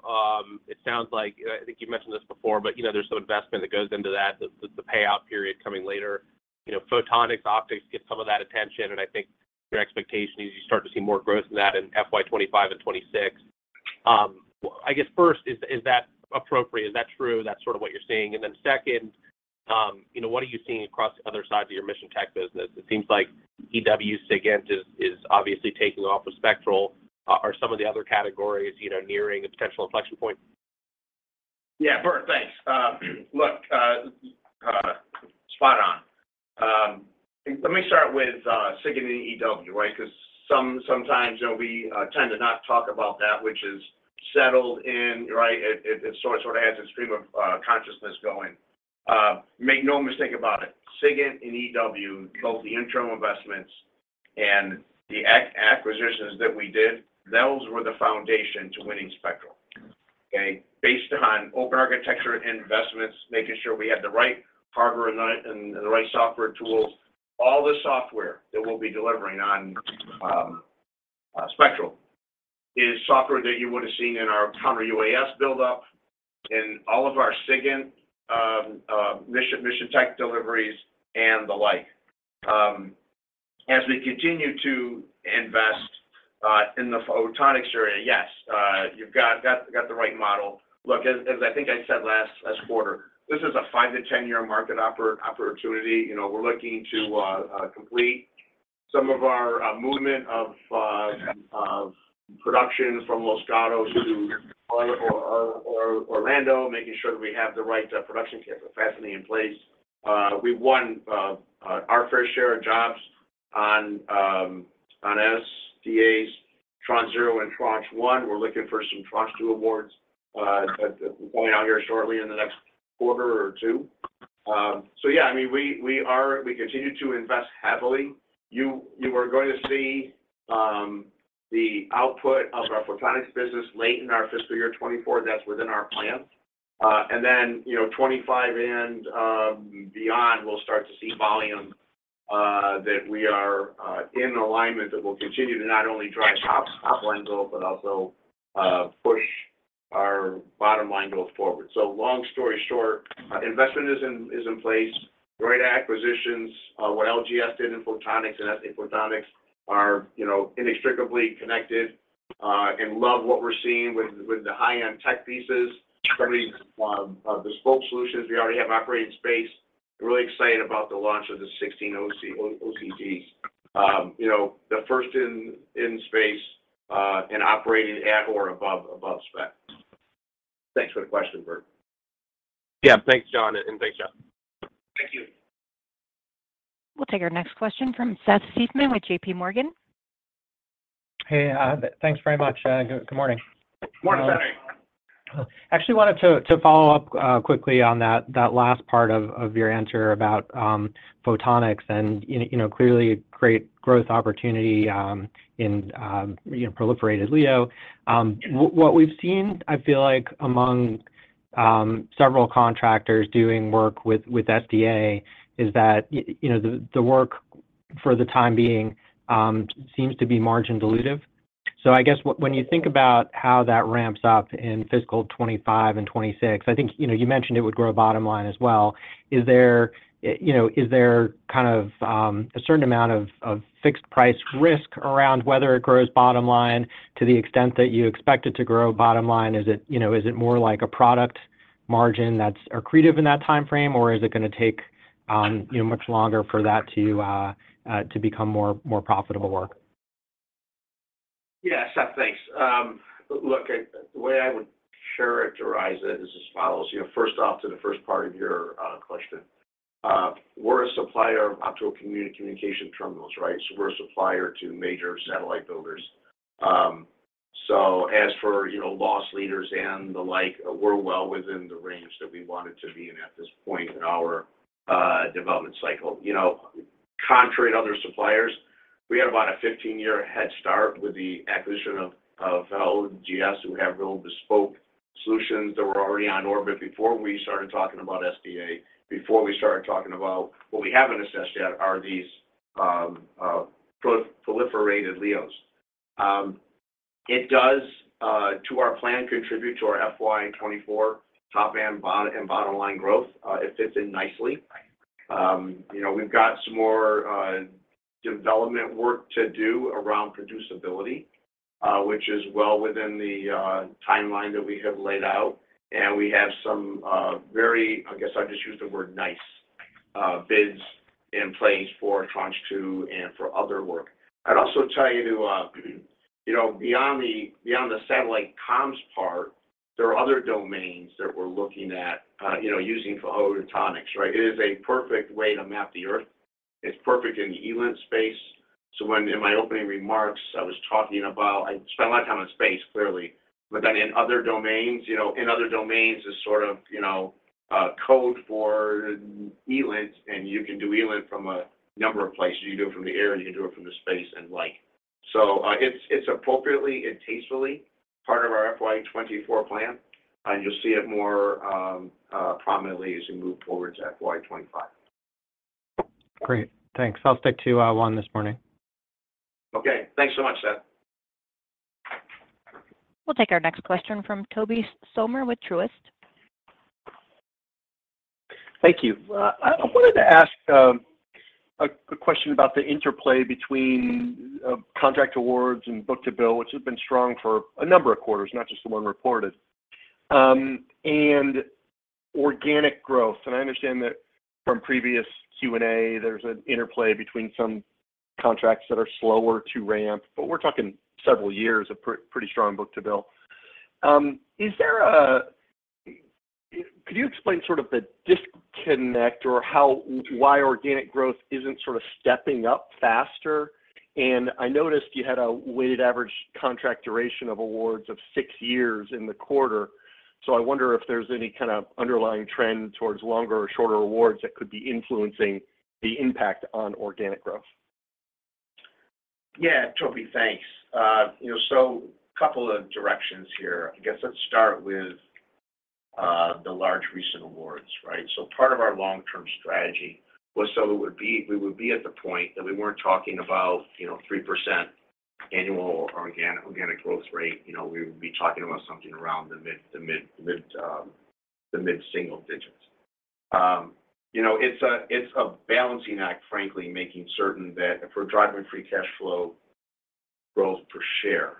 it sounds like, I think you've mentioned this before, but, you know, there's some investment that goes into that, the, the payout period coming later. You know, photonics, optics get some of that attention, and I think your expectation is you start to see more growth in that in FY 25 and 26. I guess first, is that appropriate? Is that true? That's sort of what you're seeing. Second, you know, what are you seeing across the other sides of your mission tech business? It seems like EW SIGINT is obviously taking off with Spectral. Are some of the other categories, you know, nearing a potential inflection point? Yeah, Bert, thanks. Look, spot on. Let me start with SIGINT and EW, right? Because sometimes, you know, we tend to not talk about that, which is settled in, right? It sort of has a stream of consciousness going. Make no mistake about it, SIGINT and EW, both the interim investments and the acquisitions that we did, those were the foundation to winning Spectral, okay? Based on open architecture investments, making sure we had the right hardware and the right software tools. All the software that we'll be delivering on Spectral is software that you would have seen in our counter UAS buildup, in all of our SIGINT mission tech deliveries, and the like. As we continue to invest in the photonics area, yes, you've got the right model. Look, as I think I said last quarter, this is a 5 to 10-year market opportunity. You know, we're looking to complete some of our movement of production from Los Gatos to Orlando, making sure that we have the right production capacity in place. We've won our fair share of jobs on SDAs, tranche 0 and tranche 1. We're looking for some tranche 2 awards that will be going out here shortly in the next quarter or two. So yeah, I mean, we continue to invest heavily. You are going to see the output of our photonics business late in our fiscal year 2024. That's within our plan. Then, you know, 25 and beyond, we'll start to see volume that we are in alignment that will continue to not only drive top, top line growth, but also push our bottom line growth forward. Long story short, investment is in, is in place. Great acquisitions, what LGS did in photonics and SA Photonics are, you know, inextricably connected, and love what we're seeing with, with the high-end tech pieces, bespoke solutions. We already have operating space. Really excited about the launch of the 16 OCGs. You know, the first in space, and operating at or above spec. Thanks for the question, Bert. Yeah. Thanks, John, and thanks, Jeff. Thank you. We'll take our next question from Seth Seifman with JPMorgan. Hey, thanks very much. Good morning. Morning, Seth. Actually wanted to, to follow up quickly on that, that last part of, of your answer about photonics and, you know, clearly a great growth opportunity in, you know, proliferated LEO. What, what we've seen, I feel like among several contractors doing work with, with SDA is that, you know, the, the work-... for the time being, seems to be margin dilutive. I guess when you think about how that ramps up in fiscal 2025 and 2026, I think, you know, you mentioned it would grow bottom line as well. Is there, you know, is there kind of a certain amount of, of fixed price risk around whether it grows bottom line to the extent that you expect it to grow bottom line? Is it, you know, is it more like a product margin that's accretive in that time frame, or is it gonna take, you know, much longer for that to become more, more profitable? Yeah, Seth. Thanks. Look, the way I would characterize it is as follows: you know, first off, to the first part of your question, we're a supplier of Optical Communication Terminals, right? We're a supplier to major satellite builders. As for, you know, loss leaders and the like, we're well within the range that we wanted to be in at this point in our development cycle. You know, contrary to other suppliers, we had about a 15-year head start with the acquisition of LGS, who have real bespoke solutions that were already on orbit before we started talking about SDA, before we started talking about what we haven't assessed yet are these proliferated LEOs. It does, to our plan, contribute to our FY 2024 top and bottom line growth. It fits in nicely. You know, we've got some more development work to do around producibility, which is well within the timeline that we have laid out, and we have some very, I guess I'll just use the word nice, bids in place for tranche 2 and for other work. I'd also tell you to, you know, beyond the, beyond the satellite comms part, there are other domains that we're looking at, you know, using photonics, right? It is a perfect way to map the Earth. It's perfect in the ELINT space. When in my opening remarks I was talking about I spent a lot of time on space, clearly, but then in other domains, you know, in other domains is sort of, you know, code for ELINT, and you can do ELINT from a number of places. You can do it from the air, you can do it from the space and like. It's appropriately and tastefully part of our FY 2024 plan, and you'll see it more prominently as we move forward to FY 2025. Great, thanks. I'll stick to one this morning. Okay, thanks so much, Seth. We'll take our next question from Tobey Sommer with Truist. Thank you. I wanted to ask a question about the interplay between contract awards and book-to-bill, which has been strong for a number of quarters, not just the one reported, and organic growth. I understand that from previous Q&A, there's an interplay between some contracts that are slower to ramp, but we're talking several years of pretty strong book-to-bill. Could you explain sort of the disconnect or how, why organic growth isn't sort of stepping up faster? I noticed you had a weighted average contract duration of awards of 6 years in the quarter. I wonder if there's any kind of underlying trend towards longer or shorter awards that could be influencing the impact on organic growth? Yeah. Tobey, thanks. You know, so couple of directions here. I guess let's start with the large recent awards, right? Part of our long-term strategy was we would be at the point that we weren't talking about, you know, 3% annual organic, organic growth rate. You know, we would be talking about something around the mid-single digits. You know, it's a balancing act, frankly, making certain that if we're driving free cash flow growth per share,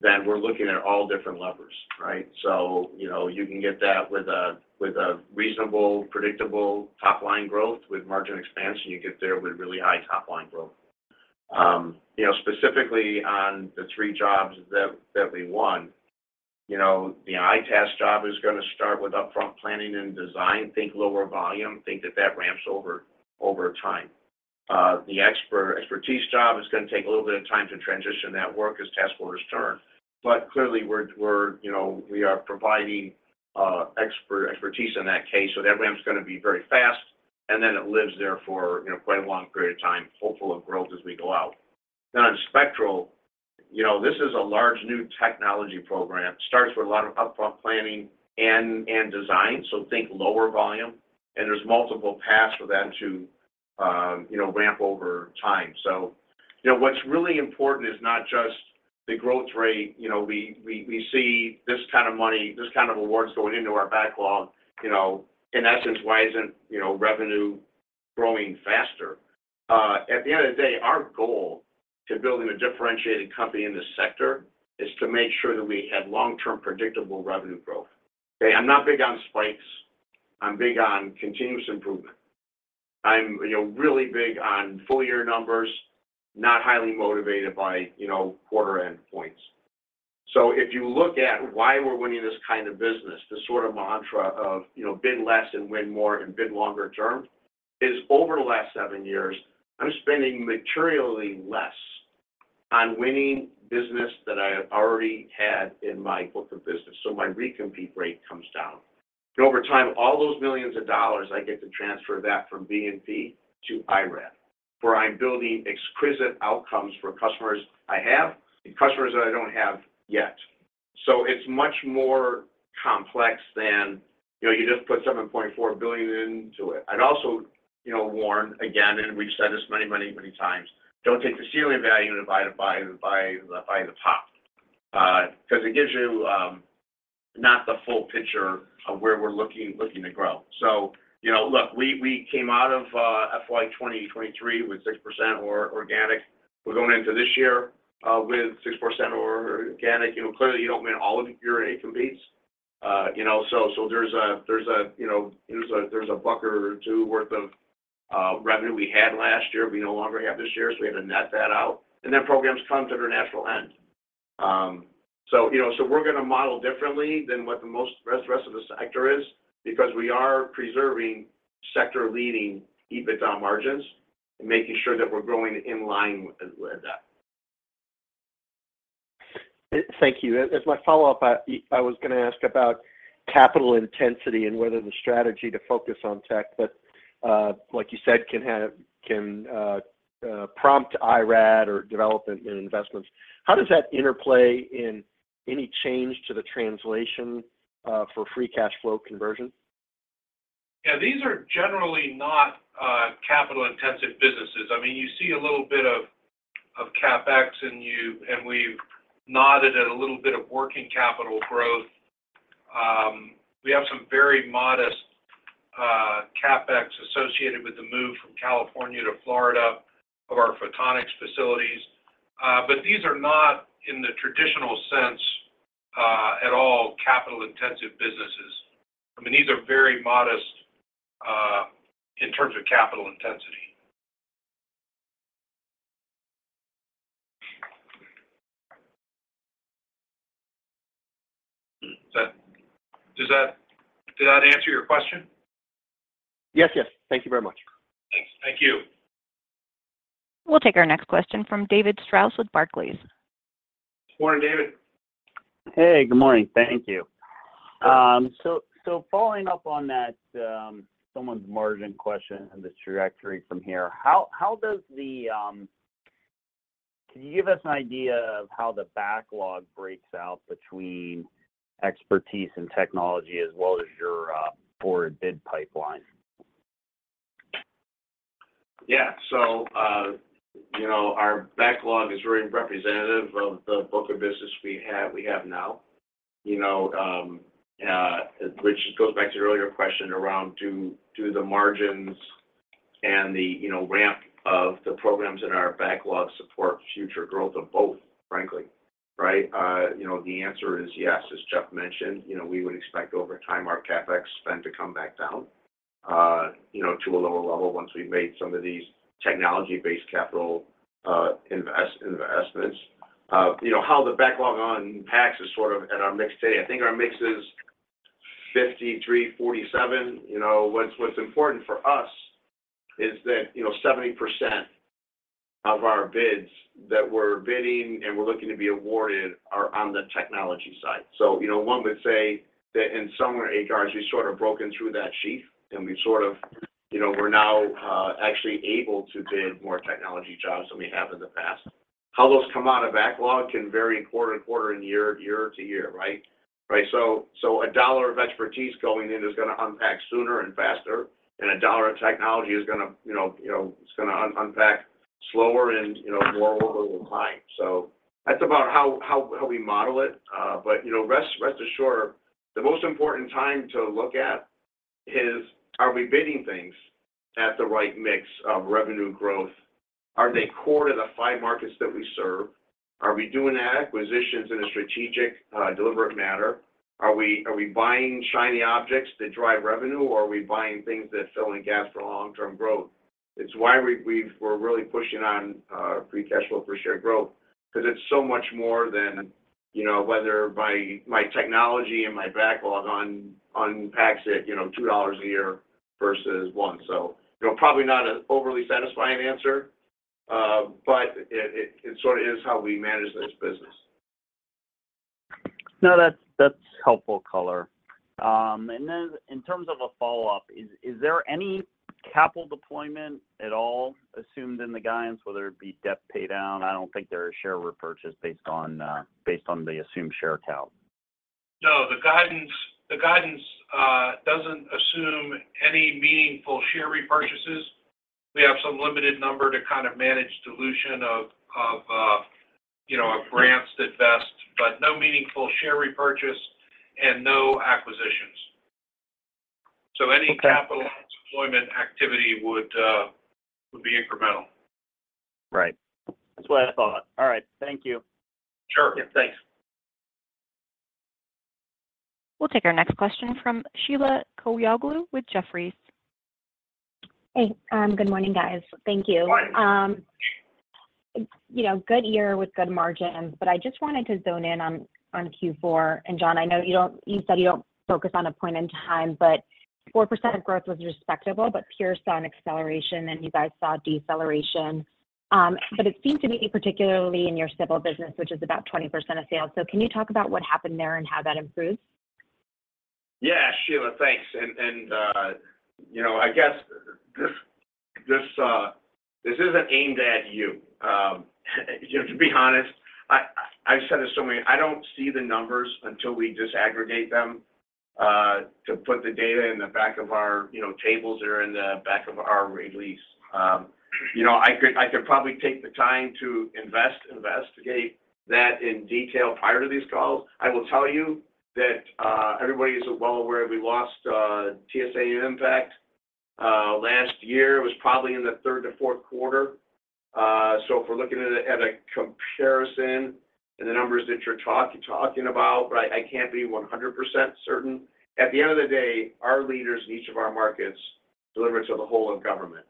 then we're looking at all different levers, right? You know, you can get that with a reasonable, predictable top-line growth with margin expansion. You get there with really high top-line growth. You know, specifically on the 3 jobs that, that we won, you know, the EITaaS job is gonna start with upfront planning and design. Think lower volume, think that that ramps over, over time. The expertise job is gonna take a little bit of time to transition that work as task orders turn, but clearly we're, we're, you know, we are providing expert expertise in that case. That ramp's gonna be very fast, and then it lives there for, you know, quite a long period of time, hopeful of growth as we go out. On Spectral, you know, this is a large new technology program, starts with a lot of upfront planning and, and design. Think lower volume, and there's multiple paths for that to, you know, ramp over time. You know, what's really important is not just the growth rate. You know, we, we, we see this kind of money, this kind of awards going into our backlog. You know, in essence, why isn't, you know, revenue growing faster? At the end of the day, our goal to building a differentiated company in this sector is to make sure that we have long-term predictable revenue growth. Okay? I'm not big on spikes. I'm big on continuous improvement. I'm, you know, really big on full year numbers, not highly motivated by, you know, quarter-end points. If you look at why we're winning this kind of business, this sort of mantra of, you know, bid less and win more and bid longer term, is over the last seven years, I'm spending materially less on winning business that I have already had in my book of business. My recompete rate comes down, and over time, all those $ millions, I get to transfer that from B&P to IRAD, where I'm building exquisite outcomes for customers I have and customers that I don't have yet. It's much more complex than, you know, you just put $7.4 billion into it. I'd also, you know, warn again, and we've said this many, many, many times, don't take the ceiling value and divide it by, by the, by the top, 'cause it gives you not the full picture of where we're looking, looking to grow. Look, we came out of FY 2023 with 6% or organic. We're going into this year with 6% organic. You know, clearly, you don't win all of your A competes. You know, so, so there's a, there's a, you know, there's a, there's a $1 or $2 worth of revenue we had last year, we no longer have this year, so we had to net that out. Then programs come to their natural end. So, you know, so we're gonna model differently than what the most rest, rest of the sector is because we are preserving sector-leading EBITDA margins and making sure that we're growing in line with, with that. Thank you. As my follow up, I, I was gonna ask about capital intensity and whether the strategy to focus on tech, but, like you said, can prompt IRAD or development in investments. How does that interplay in any change to the translation, for free cash flow conversion? Yeah, these are generally not, capital-intensive businesses. I mean, you see a little bit of, of CapEx, and you-- and we've nodded at a little bit of working capital growth. We have some very modest, CapEx associated with the move from California to Florida of our photonics facilities. These are not, in the traditional sense, at all capital-intensive businesses. I mean, these are very modest, in terms of capital intensity. Does that, does that-- did that answer your question? Yes, yes. Thank you very much. Thanks. Thank you. We'll take our next question from David Strauss with Barclays. Morning, David. Hey, good morning. Thank you. Sure. Following up on that, someone's margin question and the trajectory from here, Can you give us an idea of how the backlog breaks out between expertise and technology as well as your forward bid pipeline? Yeah. You know, our backlog is very representative of the book of business we have, we have now. You know, which goes back to your earlier question around do, do the margins and the, you know, ramp of the programs in our backlog support future growth of both, frankly, right? You know, the answer is yes. As Jeff mentioned, you know, we would expect over time our CapEx spend to come back down, you know, to a lower level once we've made some of these technology-based capital investments. You know, how the backlog unpacks is sort of at our mix today. I think our mix is 53, 47. You know, what's, what's important for us is that, you know, 70% of our bids that we're bidding and we're looking to be awarded are on the technology side. You know, one would say that in some ways, AGR, we've sort of broken through that sheath, and we've sort of, you know, we're now actually able to bid more technology jobs than we have in the past. How those come out of backlog can vary quarter and quarter and year, year to year, right? Right. A dollar of expertise going in is gonna unpack sooner and faster, and a dollar of technology is gonna, you know, you know, it's gonna unpack slower and, you know, lower over time. That's about how, how, how we model it. You know, rest, rest assured, the most important time to look at is, are we bidding things at the right mix of revenue growth? Are they core to the five markets that we serve? Are we doing acquisitions in a strategic, deliberate manner? Are we, are we buying shiny objects that drive revenue, or are we buying things that fill in gaps for long-term growth? It's why we, we're really pushing on free cash flow per share growth, 'cause it's so much more than, you know, whether my, my technology and my backlog unpacks it, you know, $2 a year versus $1. You know, probably not an overly satisfying answer, but it, it, it sort of is how we manage this business. No, that's, that's helpful color. In terms of a follow-up, is, is there any capital deployment at all assumed in the guidance, whether it be debt paydown? I don't think there are share repurchase based on, based on the assumed share count. No, the guidance, the guidance, doesn't assume any meaningful share repurchases. We have some limited number to kind of manage dilution of, of, you know, of grants that vest, but no meaningful share repurchase and no acquisitions. Okay. Any capital deployment activity would, would be incremental. Right. That's what I thought. All right. Thank you. Sure. Yeah, thanks. We'll take our next question from Sheila Kahyaoglu with Jefferies. Hey, good morning, guys. Thank you. Morning. you know, good year with good margins, but I just wanted to zone in on Q4. John, I know you said you don't focus on a point in time, but 4% growth was respectable, but peers saw an acceleration, and you guys saw deceleration. It seemed to be, particularly in your civil business, which is about 20% of sales. Can you talk about what happened there and how that improved? Yeah, Sheila, thanks. You know, I guess this, this isn't aimed at you. To be honest, I've said this so many. I don't see the numbers until we disaggregate them to put the data in the back of our, you know, tables or in the back of our release. You know, I could probably take the time to investigate that in detail prior to these calls. I will tell you that everybody is well aware we lost TSA IMPACT last year. It was probably in the third to fourth quarter. If we're looking at a comparison in the numbers that you're talking about, but I can't be 100% certain. At the end of the day, our leaders in each of our markets deliver to the whole of government.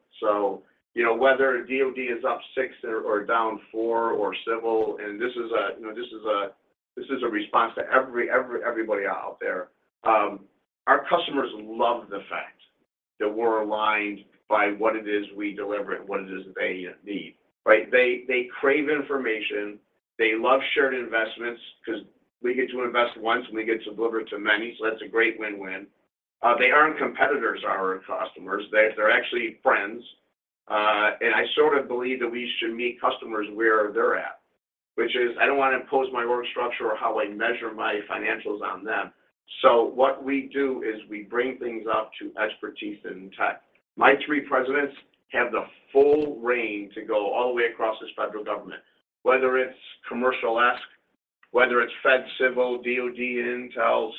You know, whether DoD is up 6 or, or down 4, or civil, and this is a, you know, this is a, this is a response to everybody out there. Our customers love the fact that we're aligned by what it is we deliver and what it is they need, right? They, they crave information, they love shared investments, 'cause we get to invest once, and we get to deliver it to many. That's a great win-win. They aren't competitors, our customers, they, they're actually friends. I sort of believe that we should meet customers where they're at, which is I don't want to impose my org structure or how I measure my financials on them. What we do is we bring things up to expertise and tech. My three presidents have the full rein to go all the way across this federal government, whether it's commercial-esque, whether it's FedCivil, DoD, Intel.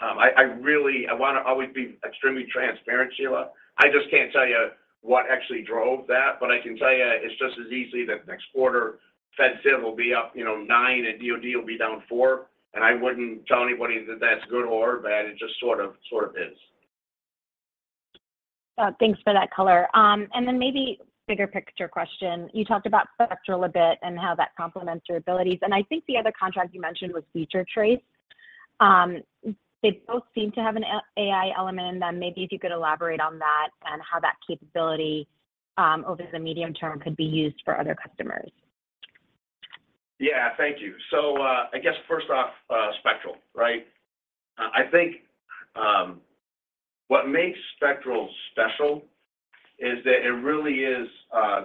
I really, I wanna always be extremely transparent, Sheila. I just can't tell you what actually drove that, but I can tell you it's just as easy that next quarter, FedCivil will be up, you know, 9, and DoD will be down 4. I wouldn't tell anybody that that's good or bad, it just sort of, sort of is. Thanks for that color. Then maybe bigger picture question. You talked about Spectral a bit and how that complements your abilities, and I think the other contract you mentioned was FeatureTrace. They both seem to have an AI, AI element in them. Maybe if you could elaborate on that and how that capability over the medium term could be used for other customers. Yeah, thank you. I guess first off, Spectral, right? I think, what makes Spectral special is that it really is,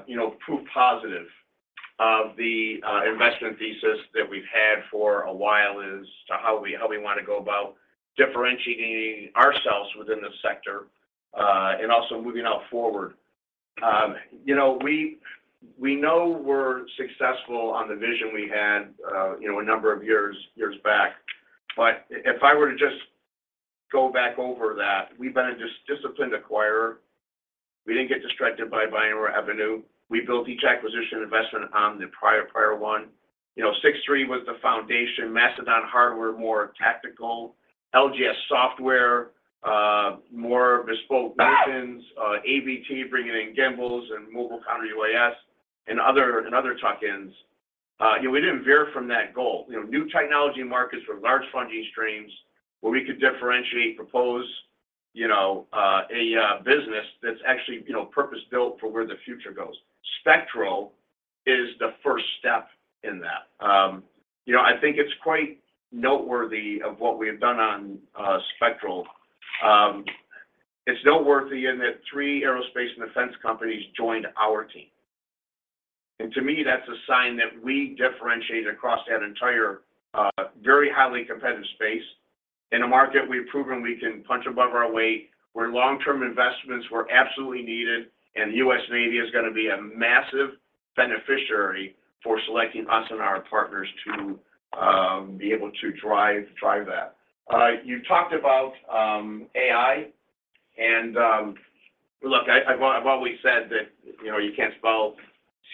you know, proof positive of the investment thesis that we've had for a while, is to how we, how we want to go about differentiating ourselves within the sector, and also moving out forward. You know, we, we know we're successful on the vision we had, you know, a number of years, years back. If I were to just go back over that, we've been a disciplined acquirer. We didn't get distracted by buying our avenue. We built each acquisition investment on the prior one. You know, Six3 was the foundation, Mastodon Hardware, more tactical, LGS Software, more bespoke missions, ABT, bringing in gimbals and mobile counter UAS, and other, and other tuck-ins. You know, we didn't veer from that goal. You know, new technology markets with large funding streams where we could differentiate, propose, you know, a business that's actually, you know, purpose-built for where the future goes. Spectral is the first step in that. You know, I think it's quite noteworthy of what we have done on Spectral. It's noteworthy in that three aerospace and defense companies joined our team. To me, that's a sign that we differentiate across that entire, very highly competitive space. In a market, we've proven we can punch above our weight, where long-term investments were absolutely needed, and the U.S. Navy is gonna be a massive beneficiary for selecting us and our partners to be able to drive, drive that. You talked about AI, and look, I, I've, I've always said that, you know, you can't spell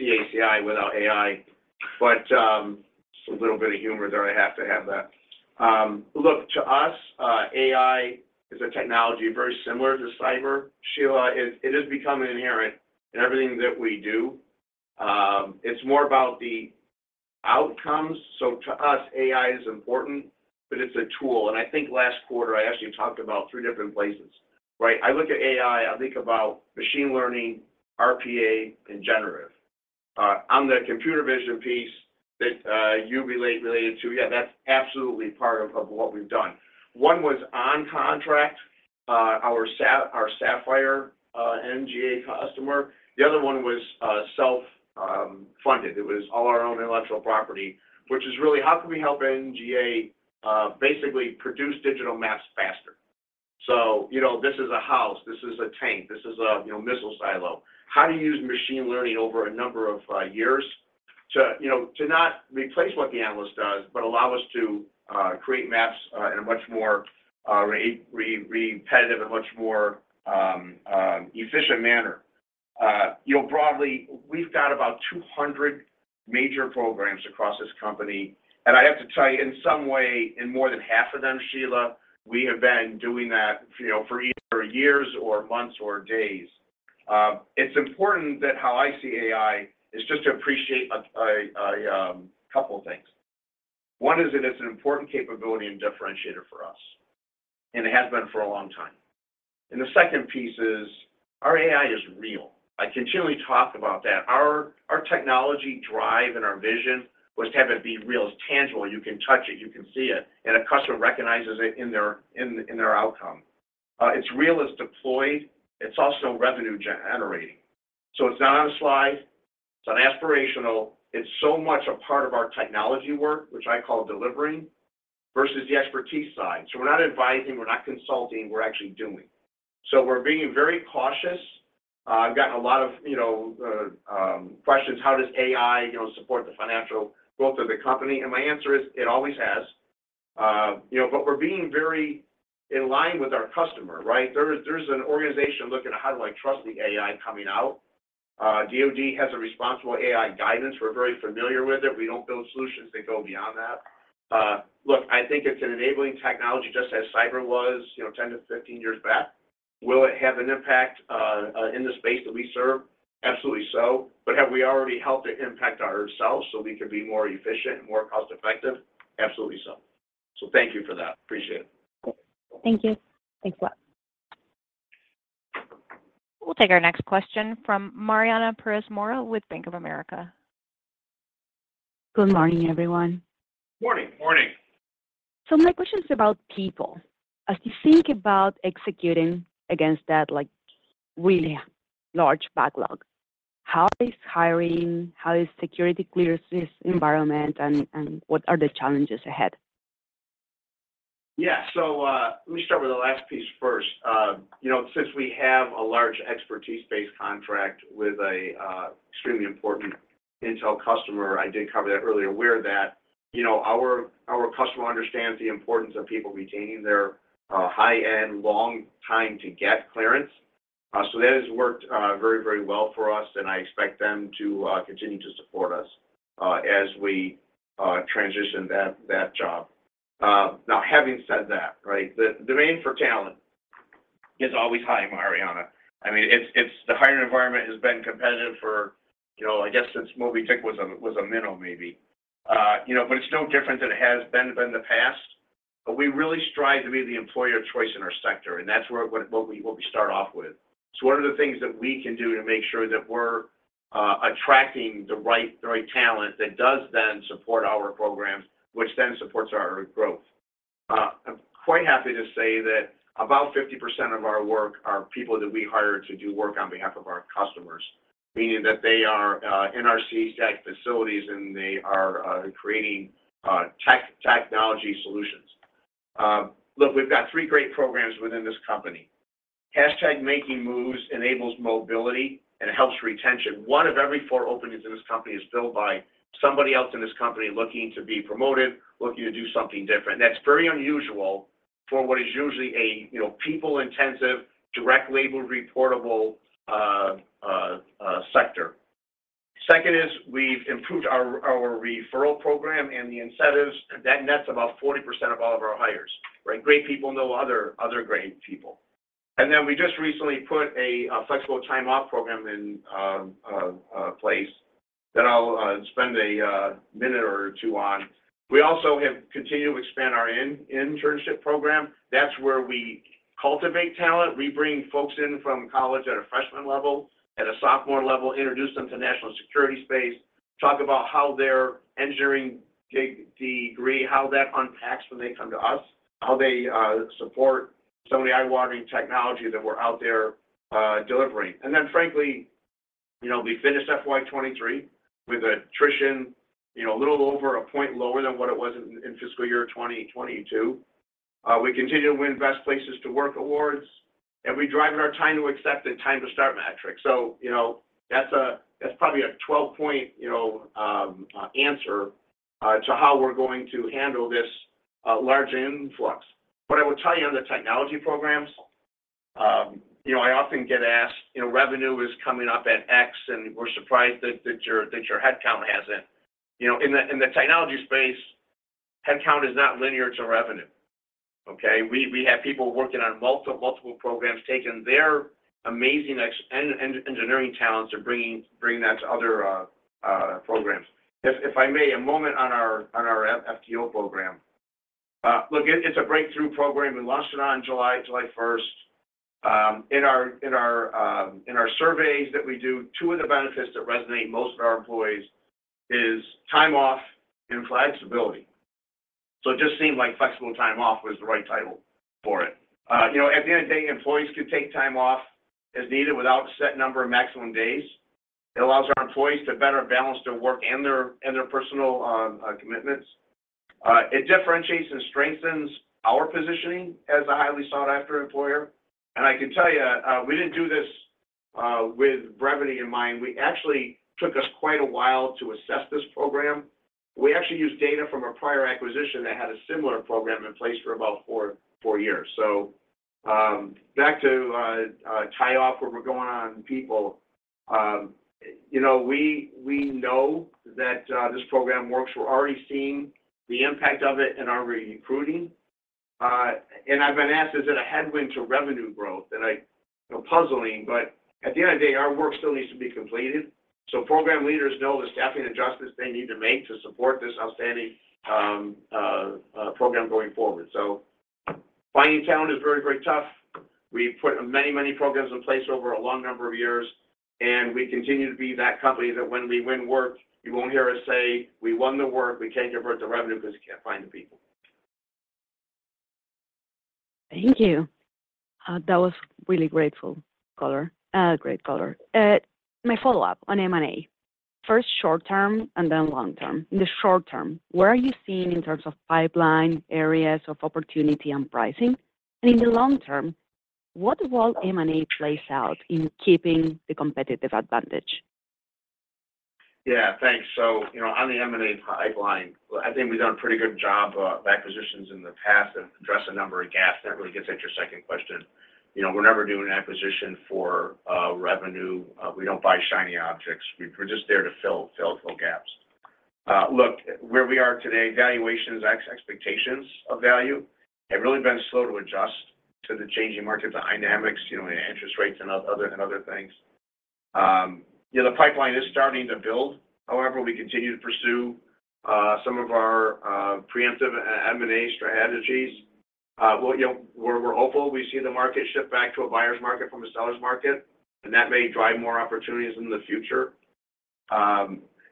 CACI without AI, but it's a little bit of humor there, I have to have that. Look, to us, AI is a technology very similar to cyber. Sheila, it, it is becoming inherent in everything that we do. It's more about the outcomes. To us, AI is important, but it's a tool. I think last quarter, I actually talked about three different places, right? I look at AI, I think about machine learning, RPA, and generative. On the computer vision piece that you related to, yeah, that's absolutely part of, of what we've done. One was on contract, our SAFFIRE, NGA customer. The other one was self, funded. It was all our own intellectual property, which is really how can we help NGA, basically produce digital maps faster? You know, this is a house, this is a tank, this is a, you know, missile silo. How do you use machine learning over a number of years to, you know, to not replace what the analyst does, but allow us to create maps in a much more repetitive and much more efficient manner? You know, broadly, we've got about 200 major programs across this company, and I have to tell you, in some way, in more than half of them, Sheila, we have been doing that, you know, for either years or months or days. It's important that how I see AI is just to appreciate a couple of things. One is it is an important capability and differentiator for us, and it has been for a long time. The second piece is our AI is real. I continually talk about that. Our technology drive and our vision was to have it be real. It's tangible, you can touch it, you can see it, and a customer recognizes it in their outcome. It's real, it's deployed, it's also revenue-generating. It's not on a slide, it's not aspirational, it's so much a part of our technology work, which I call delivering, versus the expertise side. We're not advising, we're not consulting, we're actually doing. We're being very cautious. I've gotten a lot of, you know, questions, "How does AI, you know, support the financial growth of the company?" My answer is, "It always has." You know, but we're being very in line with our customer, right? There is, there's an organization looking at, "How do I trust the AI coming out?" DoD has a responsible AI guidance. We're very familiar with it. We don't build solutions that go beyond that. Look, I think it's an enabling technology, just as cyber was, you know, 10 to 15 years back. Will it have an impact in the space that we serve? Absolutely so. Have we already helped it impact ourselves so we can be more efficient and more cost-effective? Absolutely so. Thank you for that. Appreciate it. Thank you. Thanks a lot. We'll take our next question from Mariana Perez Mora with Bank of America. Good morning, everyone. Morning, morning. My question is about people. As you think about executing against that, like, really large backlog, how is hiring, how is security clearances environment, and what are the challenges ahead? Yeah. Let me start with the last piece first. You know, since we have a large expertise-based contract with a extremely important intel customer, I did cover that earlier, we're that. You know, our, our customer understands the importance of people retaining their high-end, long time to get clearance. That has worked very, very well for us, and I expect them to continue to support us as we transition that, that job. Now, having said that, right, the demand for talent is always high, Mariana. I mean, it's, it's the hiring environment has been competitive for, you know, I guess since Moby-Dick was a minnow, maybe. You know, but it's no different than it has been in the past. We really strive to be the employer of choice in our sector, and that's where we start off with. What are the things that we can do to make sure that we're attracting the right, the right talent that does then support our programs, which then supports our growth? I'm quite happy to say that about 50% of our work are people that we hire to do work on behalf of our customers, meaning that they are in our CSTAC facilities, and they are creating technology solutions. Look, we've got 3 great programs within this company. Hashtag #Making Moves enables mobility and helps retention. One of every 4 openings in this company is filled by somebody else in this company looking to be promoted, looking to do something different. That's very unusual for what is usually a, you know, people-intensive, direct label, reportable, sector. Second is we've improved our, our referral program and the incentives, and that nets about 40% of all of our hires, right? Great people know other, other great people. Then we just recently put a Flexible Time Off program in place that I'll spend a minute or two on. We also have continued to expand our internship program. That's where we cultivate talent. We bring folks in from college at a freshman level, at a sophomore level, introduce them to national security space, talk about how their engineering degree, how that unpacks when they come to us, how they support some of the eye-watering technology that we're out there, delivering. Frankly, we finished FY 2023 with attrition, a little over 1 point lower than what it was in fiscal year 2022. We continue to win Best Places to Work awards, and we drive our time to accept and time to start metric. That's probably a 12-point answer to how we're going to handle this large influx. What I would tell you on the technology programs, I often get asked, "Revenue is coming up at X, and we're surprised that your headcount hasn't." In the technology space, headcount is not linear to revenue, okay? We, we have people working on multiple, multiple programs, taking their amazing engineering talents and bringing, bringing that to other programs. If, if I may, a moment on our FTO program. Look, it, it's a breakthrough program. We launched it on July, July first. In our, in our, in our surveys that we do, two of the benefits that resonate most of our employees is time off and flexibility. It just seemed like Flexible Time Off was the right title for it. You know, at the end of the day, employees can take time off as needed without a set number of maximum days. It allows our employees to better balance their work and their, and their personal commitments. It differentiates and strengthens our positioning as a highly sought-after employer. I can tell you, we didn't do this with brevity in mind. We actually took us quite a while to assess this program. We actually used data from a prior acquisition that had a similar program in place for about 4, 4 years. Back to tie off where we're going on people, you know, we, we know that this program works. We're already seeing the impact of it in our recruiting. I've been asked, is it a headwind to revenue growth that puzzling, but at the end of the day, our work still needs to be completed. Program leaders know the staffing adjustments they need to make to support this outstanding program going forward. Finding talent is very, very tough. We've put many, many programs in place over a long number of years, and we continue to be that company that when we win work, you won't hear us say, "We won the work. We can't convert the revenue because we can't find the people. Thank you. That was really grateful, Color, great, Color. My follow-up on M&A, first short term and then long term. In the short term, where are you seeing in terms of pipeline, areas of opportunity and pricing? In the long term, what role M&A plays out in keeping the competitive advantage? Yeah, thanks. You know, on the M&A pipeline, I think we've done a pretty good job of acquisitions in the past and address a number of gaps. That really gets into your second question. You know, we're never doing an acquisition for revenue. We don't buy shiny objects. We're just there to fill, fill, fill gaps. Look, where we are today, valuations, expectations of value, have really been slow to adjust to the changing market dynamics, you know, interest rates and other, and other things. Yeah, the pipeline is starting to build. However, we continue to pursue some of our preemptive M&A strategies. Well, you know, we're hopeful we see the market shift back to a buyer's market from a seller's market, that may drive more opportunities in the future.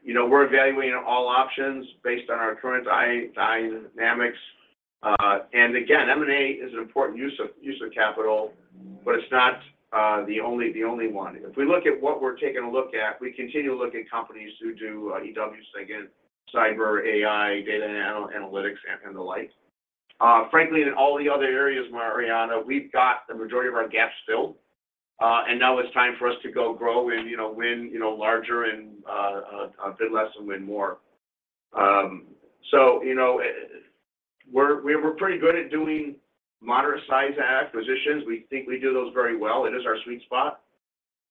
You know, we're evaluating all options based on our current dynamics. Again, M&A is an important use of, use of capital, but it's not, the only, the only one. If we look at what we're taking a look at, we continue to look at companies who do, EW, again, cyber, AI, data analytics, and the like. Frankly, in all the other areas, Mariana, we've got the majority of our gaps filled, and now it's time for us to go grow and, you know, win, you know, larger and, a bit less and win more. You know, we're pretty good at doing moderate size acquisitions. We think we do those very well. It is our sweet spot.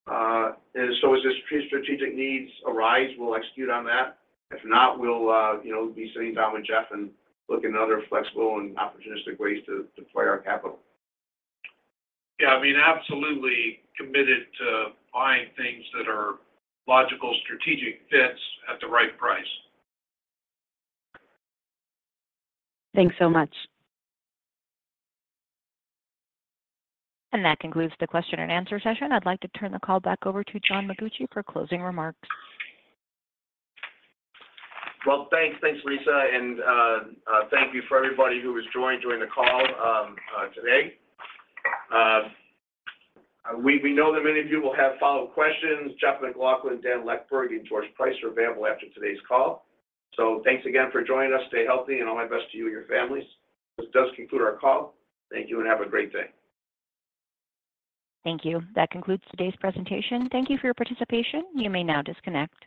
As the strategic needs arise, we'll execute on that. If not, we'll, you know, be sitting down with Jeff and look at other flexible and opportunistic ways to deploy our capital. Yeah, I mean, absolutely committed to buying things that are logical, strategic fits at the right price. Thanks so much. That concludes the question and answer session. I'd like to turn the call back over to John S. Mengucci for closing remarks. Well, thanks. Thanks, Lisa. Thank you for everybody who has joined during the call today. We know that many of you will have follow-up questions. Jeff MacLauchlan, Daniel Leckburg, and George Price are available after today's call. Thanks again for joining us. Stay healthy, and all my best to you and your families. This does conclude our call. Thank you and have a great day. Thank you. That concludes today's presentation. Thank you for your participation. You may now disconnect.